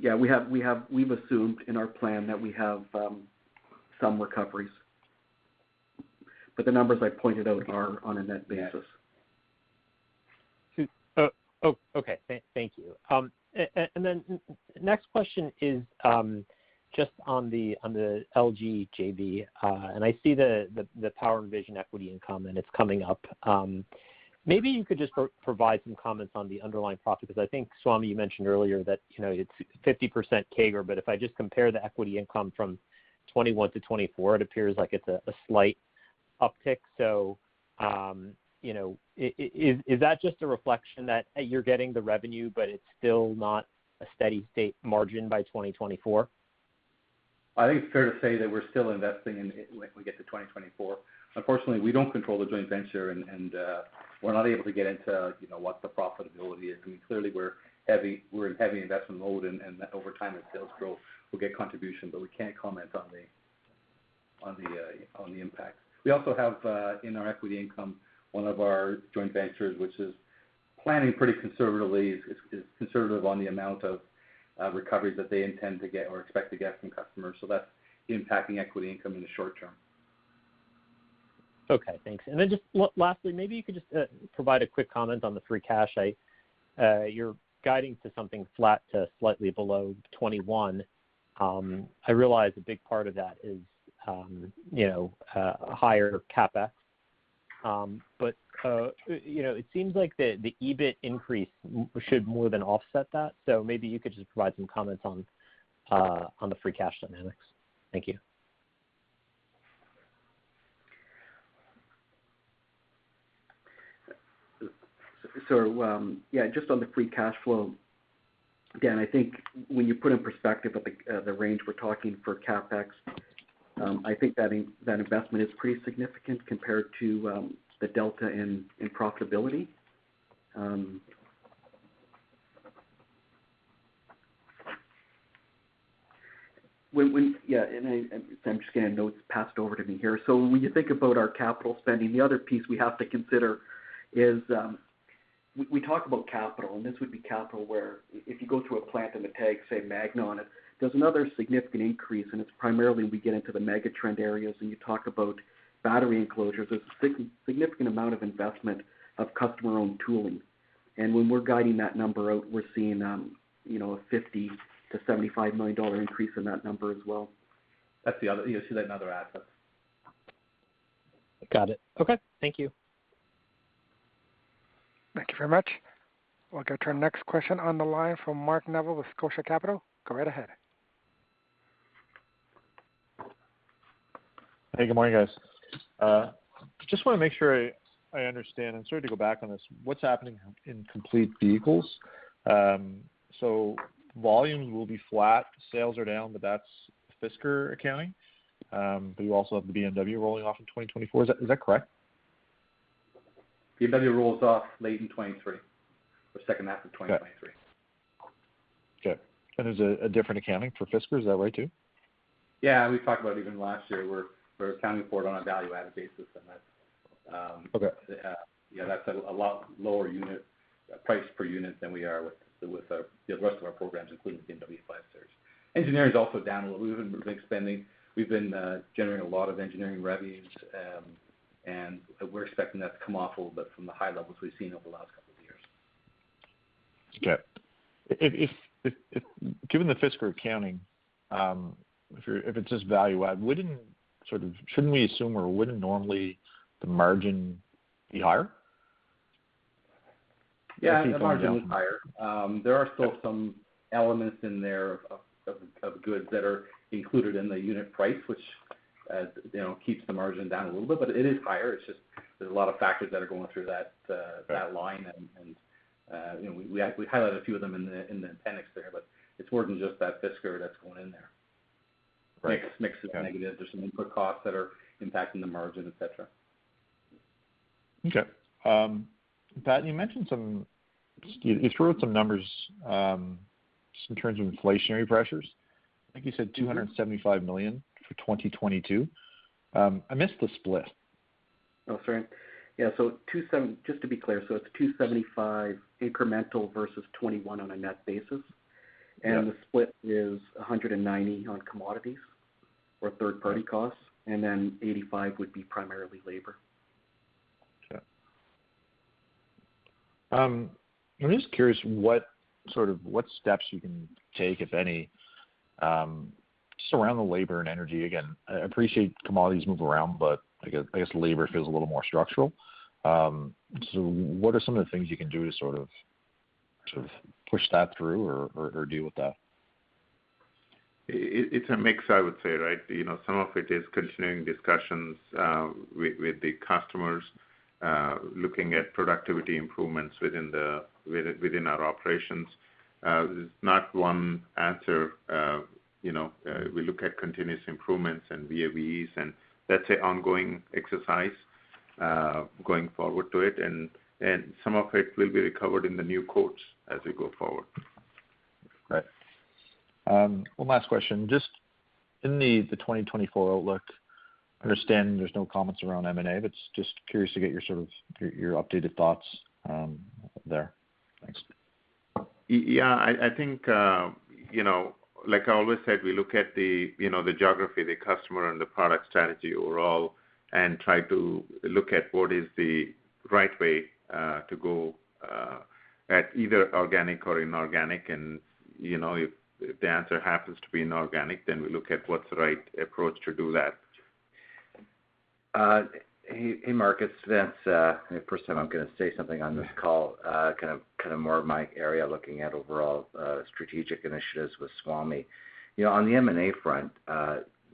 We've assumed in our plan that we have some recoveries. The numbers I pointed out are on a net basis. Oh, okay. Thank you. Next question is just on the LG JV, and I see the Power & Vision equity income, and it's coming up. Maybe you could just provide some comments on the underlying profit, 'cause I think, Swamy, you mentioned earlier that, you know, it's 50% CAGR, but if I just compare the equity income from 2021 to 2024, it appears like it's a slight uptick. You know, is that just a reflection that you're getting the revenue but it's still not a steady state margin by 2024? I think it's fair to say that we're still investing in it when we get to 2024. Unfortunately, we don't control the joint venture and we're not able to get into, you know, what the profitability is. I mean, clearly we're in heavy investment mode, and over time as sales grow, we'll get contributions, but we can't comment on the impact. We also have in our equity income, one of our joint ventures, which is planning pretty conservatively. It's conservative on the amount of recoveries that they intend to get or expect to get from customers, so that's impacting equity income in the short term. Okay, thanks. Just lastly, maybe you could just provide a quick comment on the free cash. I, you're guiding to something flat to slightly below $21. I realize a big part of that is, you know, higher CapEx. You know, it seems like the EBIT increase should more than offset that. Maybe you could just provide some comments on the free cash dynamics. Thank you. Just on the free cash flow. Again, I think when you put in perspective of the range we're talking for CapEx, I think that investment is pretty significant compared to the delta in profitability. I'm just getting notes passed over to me here. When you think about our capital spending, the other piece we have to consider is we talk about capital, and this would be capital where if you go to a plant and the tag says Magna on it, there's another significant increase, and it's primarily we get into the megatrend areas and you talk about battery enclosures. There's a significant amount of investment of customer-owned tooling. When we're guiding that number out, we're seeing, you know, a $50 million-$75 million increase in that number as well. That's the other. You'll see that in other assets. Got it. Okay, thank you. Thank you very much. We'll go to our next question on the line from Mark Neville with Scotia Capital. Go right ahead. Hey, good morning, guys. Just wanna make sure I understand, and sorry to go back on this. What's happening in complete vehicles? Volumes will be flat. Sales are down, but that's Fisker accounting. You also have the BMW rolling off in 2024. Is that correct? BMW rolls off late in 2023, or second half of 2023. Okay. There's a different accounting for Fisker. Is that right too? Yeah, we talked about even last year, we're accounting for it on a value-added basis, and that's Okay Yeah, that's a lot lower unit price per unit than we are with the rest of our programs, including the BMW 5 Series. Engineering is also down a little. We've been generating a lot of engineering revenues, and we're expecting that to come off a little bit from the high levels we've seen over the last couple of years. Okay. If given the Fisker accounting, if it's just value-add, shouldn't we assume or wouldn't normally the margin be higher? Yeah, the margin is higher. There are still some elements in there of goods that are included in the unit price, which you know keeps the margin down a little bit, but it is higher. It's just there's a lot of factors that are going through that line. You know, we highlight a few of them in the appendix there, but it's more than just that Fisker that's going in there. Right. Mix is negative. There's some input costs that are impacting the margin, et cetera. Okay. Pat, you threw out some numbers, just in terms of inflationary pressures. I think you said $275 million for 2022. I missed the split. Oh, sorry. Yeah, so just to be clear, so it's $275 incremental versus 2021 on a net basis. Yeah. The split is $190 on commodities or third-party costs, and then $85 would be primarily labor. Okay. I'm just curious what sort of steps you can take, if any, just around the labor and energy. Again, I appreciate commodities move around, but I guess labor feels a little more structural. So what are some of the things you can do to sort of push that through or deal with that? It's a mix, I would say, right? You know, some of it is continuing discussions with the customers, looking at productivity improvements within our operations. There's not one answer. You know, we look at continuous improvements and VAVEs, and that's an ongoing exercise going forward to it. Some of it will be recovered in the new quotes as we go forward. Right. One last question. Just in the 2024 outlook, understanding there's no comments around M&A, but just curious to get your sort of updated thoughts, there. Thanks. Yeah, I think, you know, like I always said, we look at the, you know, the geography, the customer, and the product strategy overall and try to look at what is the right way to go at either organic or inorganic. You know, if the answer happens to be inorganic, then we look at what's the right approach to do that. Hey, Mark, Vince, first time I'm gonna say something on this call, kind of more my area looking at overall strategic initiatives with Swamy. You know, on the M&A front,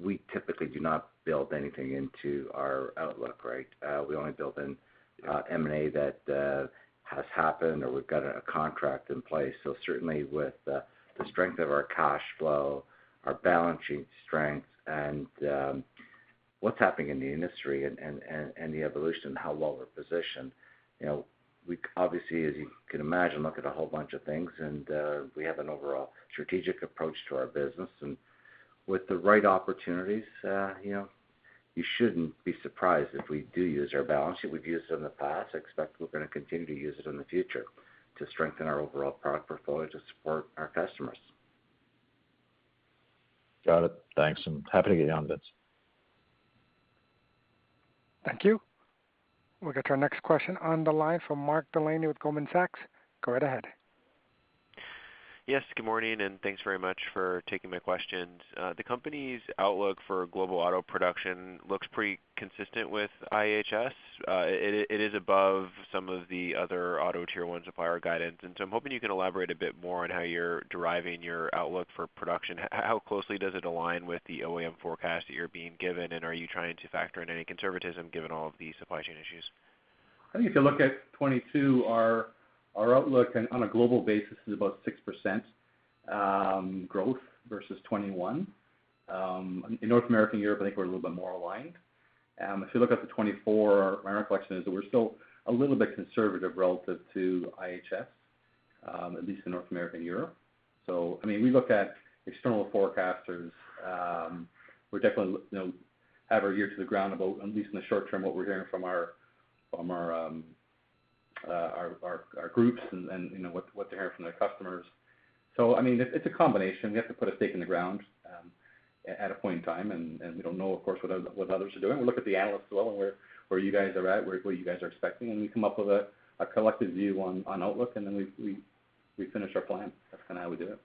we typically do not build anything into our outlook, right? We only build in M&A that has happened or we've got a contract in place. Certainly with the strength of our cash flow, our balance sheet strength and what's happening in the industry and the evolution and how well we're positioned, you know, we obviously, as you can imagine, look at a whole bunch of things and we have an overall strategic approach to our business. With the right opportunities, you know, you shouldn't be surprised if we do use our balance sheet. We've used it in the past, we expect we're gonna continue to use it in the future to strengthen our overall product portfolio to support our customers. Got it. Thanks, and happy to get you on, Vince. Thank you. We'll get to our next question on the line from Mark Delaney with Goldman Sachs. Go right ahead. Yes, good morning, and thanks very much for taking my questions. The company's outlook for global auto production looks pretty consistent with IHS. It is above some of the other auto tier one supplier guidance. I'm hoping you can elaborate a bit more on how you're deriving your outlook for production. How closely does it align with the OEM forecast that you're being given, and are you trying to factor in any conservatism given all of the supply chain issues? I think if you look at 2022, our outlook on a global basis is about 6% growth versus 2021. In North America and Europe, I think we're a little bit more aligned. If you look at 2024, my reflection is that we're still a little bit conservative relative to IHS, at least in North America and Europe. I mean, we look at external forecasters. We're definitely look, you know, have our ear to the ground about, at least in the short term, what we're hearing from our groups and you know, what they're hearing from their customers. I mean, it's a combination. We have to put a stake in the ground at a point in time, and we don't know, of course, what others are doing. We look at the analysts as well and where you guys are at, what you guys are expecting, and we come up with a collective view on outlook, and then we finish our plan. That's kinda how we do it.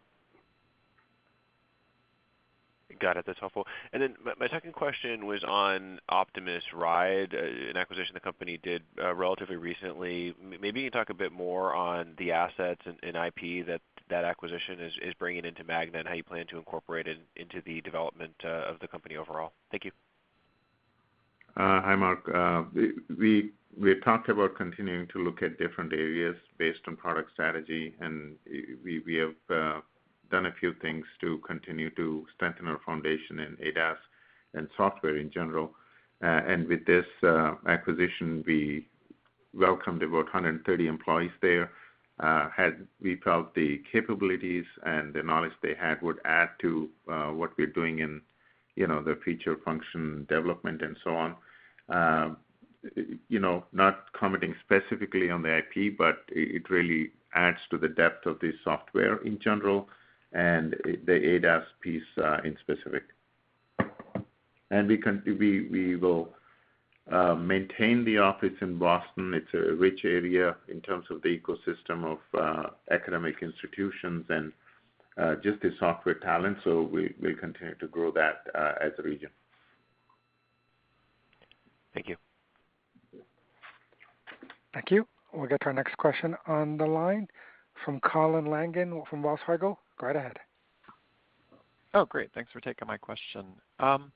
Got it. That's helpful. My second question was on Optimus Ride, an acquisition the company did, relatively recently. Maybe you can talk a bit more on the assets and IP that acquisition is bringing into Magna and how you plan to incorporate it into the development of the company overall. Thank you. Hi, Mark. We had talked about continuing to look at different areas based on product strategy, and we have done a few things to continue to strengthen our foundation in ADAS and software in general. With this acquisition, we welcomed about 130 employees there. We felt the capabilities and the knowledge they had would add to what we're doing in, you know, the feature function development and so on. You know, not commenting specifically on the IP, but it really adds to the depth of the software in general and the ADAS piece in specific. We will maintain the office in Boston. It's a rich area in terms of the ecosystem of economic institutions and just the software talent, so we'll continue to grow that as a region. Thank you. Thank you. We'll get to our next question on the line from Colin Langan from Wells Fargo. Go right ahead. Oh, great. Thanks for taking my question. I'm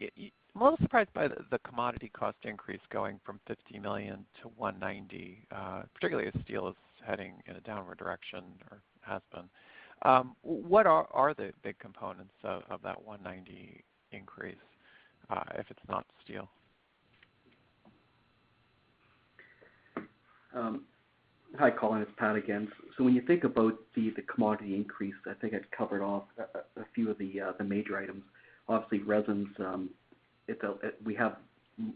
a little surprised by the commodity cost increase going from $50 million to $190 million, particularly as steel is heading in a downward direction or has been. What are the big components of that $190 million increase, if it's not steel? Hi, Colin. It's Pat again. When you think about the commodity increase, I think I'd covered off a few of the major items. Obviously, resins, it'll we have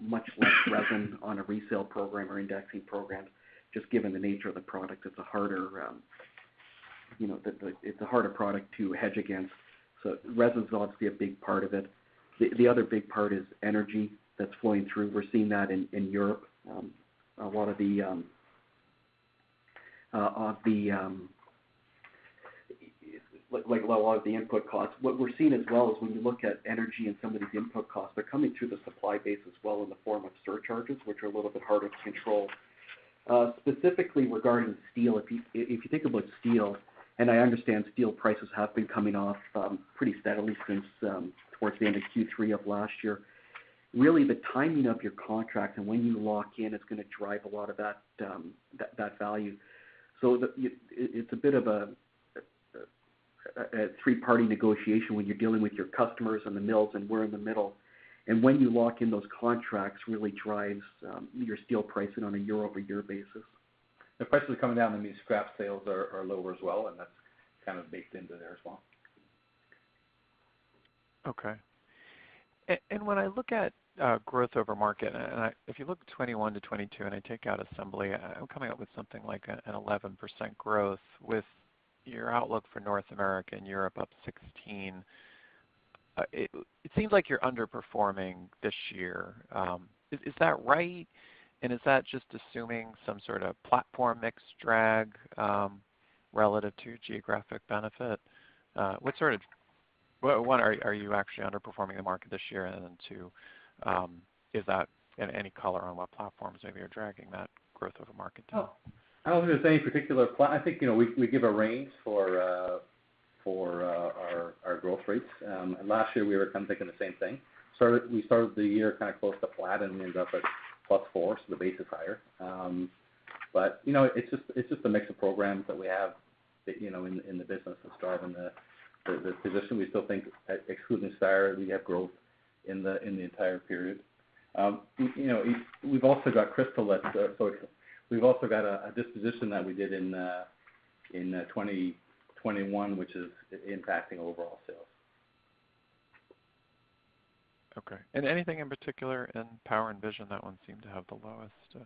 much less resin on a resale program or indexing program, just given the nature of the product. It's a harder, you know, it's a harder product to hedge against, so resin's obviously a big part of it. The other big part is energy that's flowing through. We're seeing that in Europe, a lot of the input costs. What we're seeing as well is when you look at energy and some of these input costs, they're coming through the supply base as well in the form of surcharges, which are a little bit harder to control. Specifically regarding steel, if you think about steel, I understand steel prices have been coming off pretty steadily since towards the end of Q3 of last year. Really the timing of your contract and when you lock in is gonna drive a lot of that value. It's a bit of a three-party negotiation when you're dealing with your customers and the mills, and we're in the middle. When you lock in those contracts really drives your steel pricing on a year-over-year basis. The prices are coming down, and these scrap sales are lower as well, and that's kind of baked into there as well. Okay. When I look at growth over market, if you look 2021-2022 and I take out assembly, I'm coming up with something like an 11% growth with your outlook for North America and Europe up 16%. It seems like you're underperforming this year. Is that right? Is that just assuming some sort of platform mix drag relative to geographic benefit? Well, one, are you actually underperforming the market this year? Then two, is that any color on what platforms maybe are dragging that growth over market down? I don't think there's any particular plan. I think, you know, we give a range for our growth rates. Last year we were kind of thinking the same thing. We started the year kind of close to flat and we ended up at plus 4%, so the base is higher. You know, it's just a mix of programs that we have that, you know, in the business that start in the position we still think excluding Steyr, we have growth in the entire period. You know, we've also got [Crystal] that's so we've also got a disposition that we did in 2021, which is impacting overall sales. Okay. Anything in particular in Power & Vision? That one seemed to have the lowest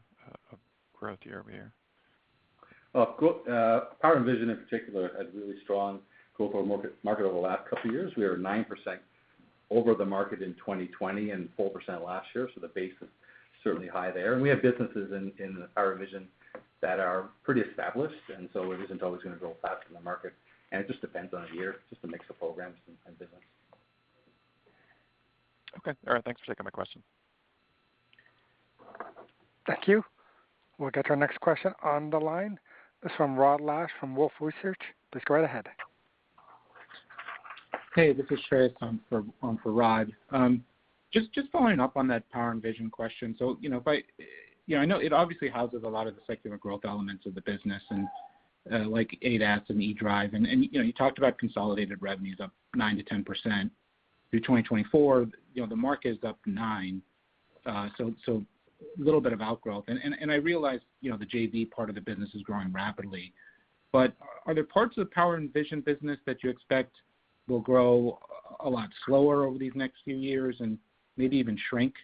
growth year-over-year. Well, Power & Vision in particular had really strong growth over market over the last couple of years. We are 9% over the market in 2020 and 4% last year, so the base is certainly high there. We have businesses in Power & Vision that are pretty established, and so it isn't always gonna grow faster than market. It just depends on the year, just a mix of programs and business. Okay. All right. Thanks for taking my question. Thank you. We'll get to our next question on the line. It's from Rod Lache from Wolfe Research. Please go right ahead. Hey, this is Shreyas on for Rod. Just following up on that Power & Vision question. You know, I know it obviously houses a lot of the secular growth elements of the business and, like ADAS and eDrive and, you know, you talked about consolidated revenues up 9%-10% through 2024. You know, the market is up 9%, so a little bit of outgrowth. I realize, you know, the JV part of the business is growing rapidly, but are there parts of the Power & Vision business that you expect will grow a lot slower over these next few years and maybe even shrink,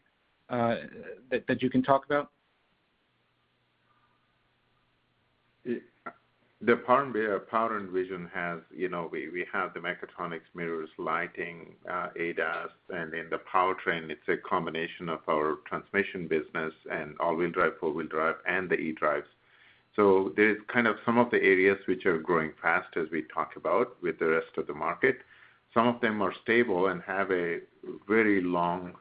that you can talk about? Power & Vision has we have the mechatronics, mirrors, lighting, ADAS, and in the powertrain, it's a combination of our transmission business and all-wheel drive, four-wheel drive, and the eDrives. There's kind of some of the areas which are growing fast as we talked about with the rest of the market. Some of them are stable and have a very long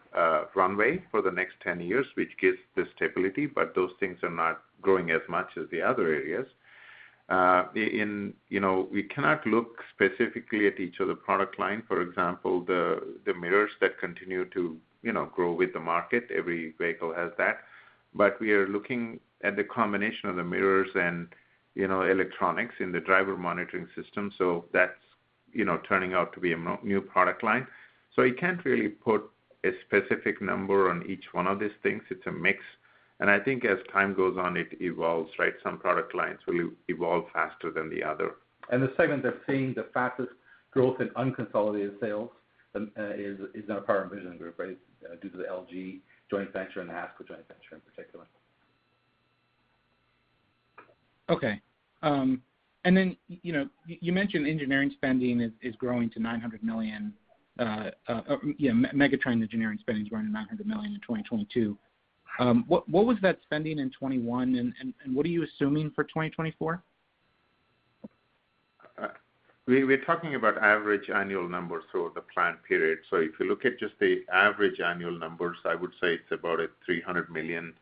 runway for the next ten years, which gives the stability, but those things are not growing as much as the other areas. We cannot look specifically at each of the product line, for example, the mirrors that continue to grow with the market. Every vehicle has that. We are looking at the combination of the mirrors and electronics in the Driver Monitoring System. That's, you know, turning out to be a new product line. You can't really put a specific number on each one of these things. It's a mix. I think as time goes on, it evolves, right? Some product lines will evolve faster than the other. The segment that's seeing the fastest growth in unconsolidated sales is in our Power & Vision group, right? Due to the LG joint venture and the HASCO joint venture in particular. Okay. You know, you mentioned engineering spending is growing to $900 million. Yeah, Magna's engineering spending is growing to $900 million in 2022. What was that spending in 2021, and what are you assuming for 2024? We're talking about average annual numbers over the plan period. If you look at just the average annual numbers, I would say it's about a $300 million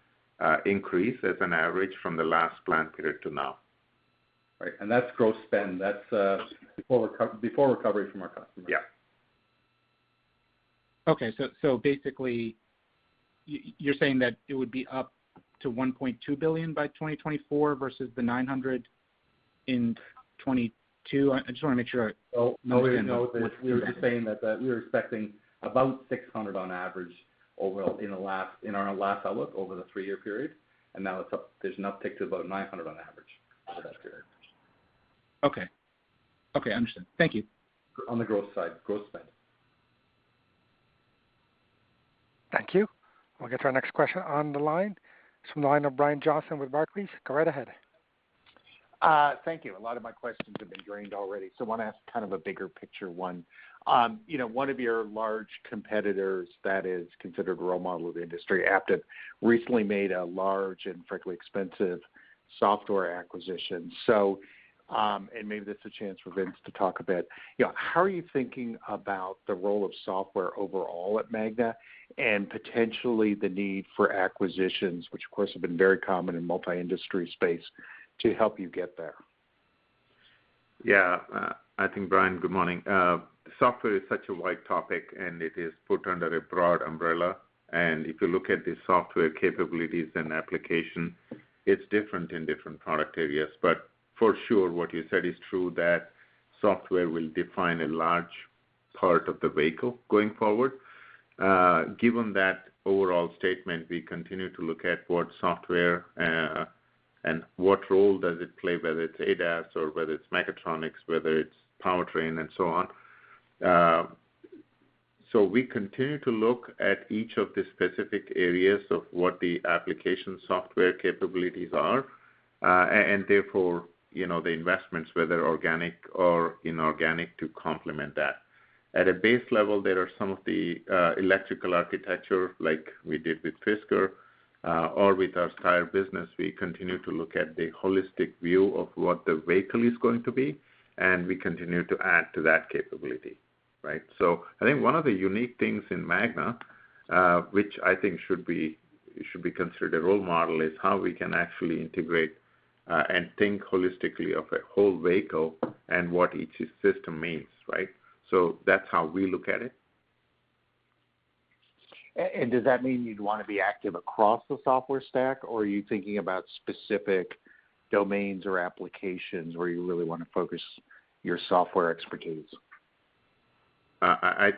increase as an average from the last plan period to now. Right. That's gross spend. That's before recovery from our customers. Yeah. Basically you're saying that it would be up to $1.2 billion by 2024 versus the $900 million in 2022? I just wanna make sure I understand. No, no. We were just saying that we were expecting about 600 on average overall in our last outlook over the three-year period, and now it's up. There's an uptick to about 900 on average over that period. Okay, understood. Thank you. On the growth side, growth spend. Thank you. We'll get to our next question on the line. It's from the line of Brian Johnson with Barclays. Go right ahead. Thank you. A lot of my questions have been drained already, so I wanna ask kind of a bigger picture one. You know, one of your large competitors that is considered a role model of the industry, Aptiv, recently made a large and frankly expensive software acquisition. Maybe this is a chance for Vince to talk a bit. You know, how are you thinking about the role of software overall at Magna and potentially the need for acquisitions, which of course have been very common in multi-industry space, to help you get there? Yeah. I think, Brian, good morning. Software is such a wide topic, and it is put under a broad umbrella. If you look at the software capabilities and application, it's different in different product areas. For sure, what you said is true, that software will define a large part of the vehicle going forward. Given that overall statement, we continue to look at what software and what role does it play, whether it's ADAS or whether it's mechatronics, whether it's powertrain and so on. We continue to look at each of the specific areas of what the application software capabilities are, and therefore, you know, the investments, whether organic or inorganic, to complement that. At a base level, there are some of the electrical architecture, like we did with Fisker, or with our Steyr business. We continue to look at the holistic view of what the vehicle is going to be, and we continue to add to that capability, right? I think one of the unique things in Magna, which I think should be considered a role model, is how we can actually integrate, and think holistically of a whole vehicle and what each system means, right? That's how we look at it. Does that mean you'd wanna be active across the software stack, or are you thinking about specific domains or applications where you really wanna focus your software expertise?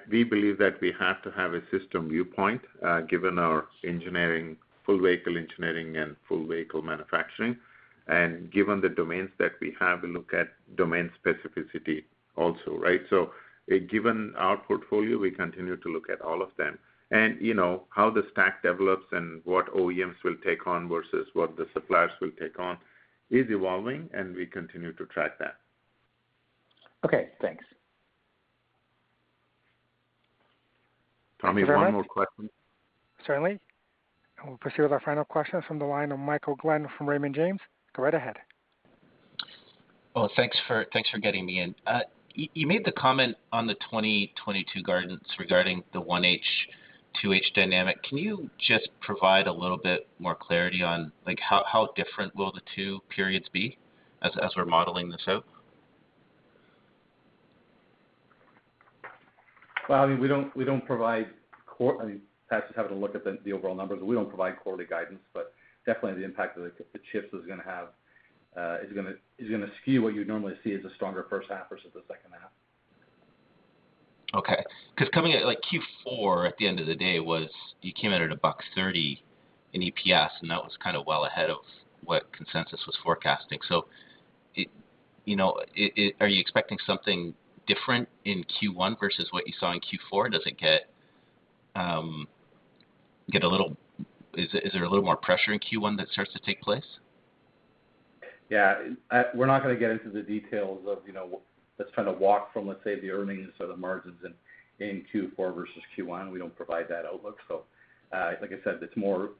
We believe that we have to have a system viewpoint, given our engineering, full vehicle engineering and full vehicle manufacturing, and given the domains that we have, we look at domain specificity also, right? Given our portfolio, we continue to look at all of them. You know, how the stack develops and what OEMs will take on versus what the suppliers will take on is evolving, and we continue to track that. Okay, thanks. Tommy, one more question. Certainly. We'll proceed with our final question from the line of Michael Glen from Raymond James. Go right ahead. Well, thanks for getting me in. You made the comment on the 2022 guidance regarding the 1H, 2H dynamic. Can you just provide a little bit more clarity on, like how different will the two periods be as we're modeling this out? Well, I mean, Pat's just having a look at the overall numbers. We don't provide quarterly guidance, but definitely the impact that the chips is gonna have is gonna skew what you'd normally see as a stronger first half versus the second half. Okay. 'Cause coming at like Q4 at the end of the day, you came in at $1.30 in EPS, and that was kinda well ahead of what consensus was forecasting. Are you expecting something different in Q1 versus what you saw in Q4? Does it get a little? Is there a little more pressure in Q1 that starts to take place? We're not gonna get into the details of the earnings or the margins in Q4 versus Q1. We don't provide that outlook. Like I said, the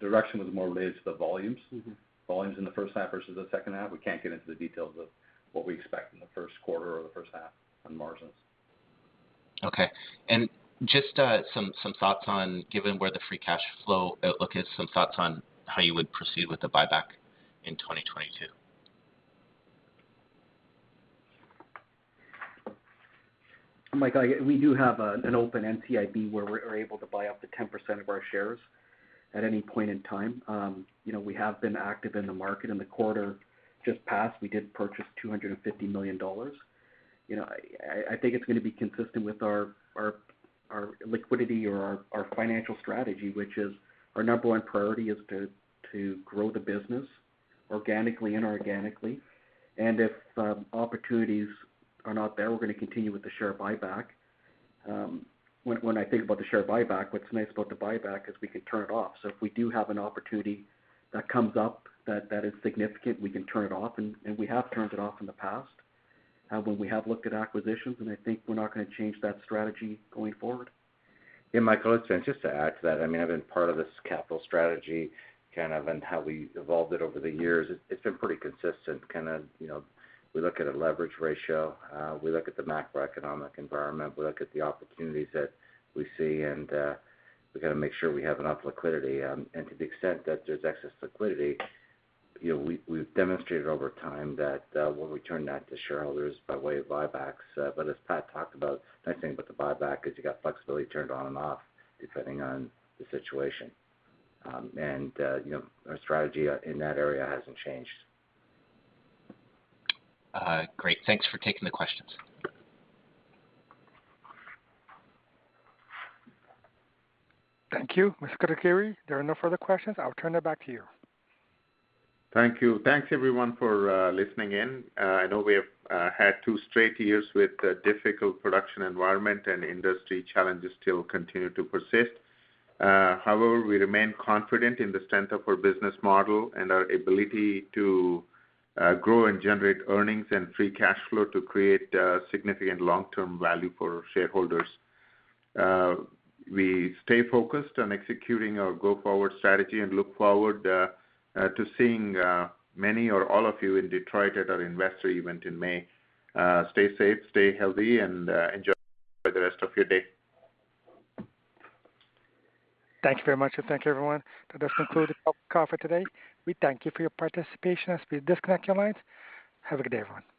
direction was more related to the volumes. Mm-hmm. Volumes in the first half versus the second half. We can't get into the details of what we expect in the first quarter or the first half on margins. Okay. Given where the free cash flow outlook is, some thoughts on how you would proceed with the buyback in 2022. Mike, we do have an open NCIB where we're able to buy up to 10% of our shares at any point in time. You know, we have been active in the market. In the quarter just passed, we did purchase $250 million. You know, I think it's gonna be consistent with our liquidity or our financial strategy, which is our number one priority is to grow the business organically and inorganically. If opportunities are not there, we're gonna continue with the share buyback. When I think about the share buyback, what's nice about the buyback is we can turn it off. If we do have an opportunity that comes up that is significant, we can turn it off, and we have turned it off in the past, when we have looked at acquisitions, and I think we're not gonna change that strategy going forward. Yeah, Michael, it's Vince. Just to add to that, I mean, I've been part of this capital strategy kind of, and how we evolved it over the years. It's been pretty consistent, kinda, you know, we look at a leverage ratio, we look at the macroeconomic environment, we look at the opportunities that we see, and we gotta make sure we have enough liquidity. And to the extent that there's excess liquidity, you know, we've demonstrated over time that when we turn that to shareholders by way of buybacks. But as Pat talked about, nice thing about the buyback is you got flexibility turned on and off depending on the situation. And you know, our strategy in that area hasn't changed. Great. Thanks for taking the questions. Thank you. Mr. Kotagiri, there are no further questions. I'll turn it back to you. Thank you. Thanks everyone for listening in. I know we have had two straight years with a difficult production environment and industry challenges still continue to persist. However, we remain confident in the strength of our business model and our ability to grow and generate earnings and free cash flow to create significant long-term value for shareholders. We stay focused on executing our go-forward strategy and look forward to seeing many or all of you in Detroit at our investor event in May. Stay safe, stay healthy, and enjoy the rest of your day. Thank you very much, and thank you everyone. That does conclude the call for today. We thank you for your participation as we disconnect your lines. Have a good day, everyone.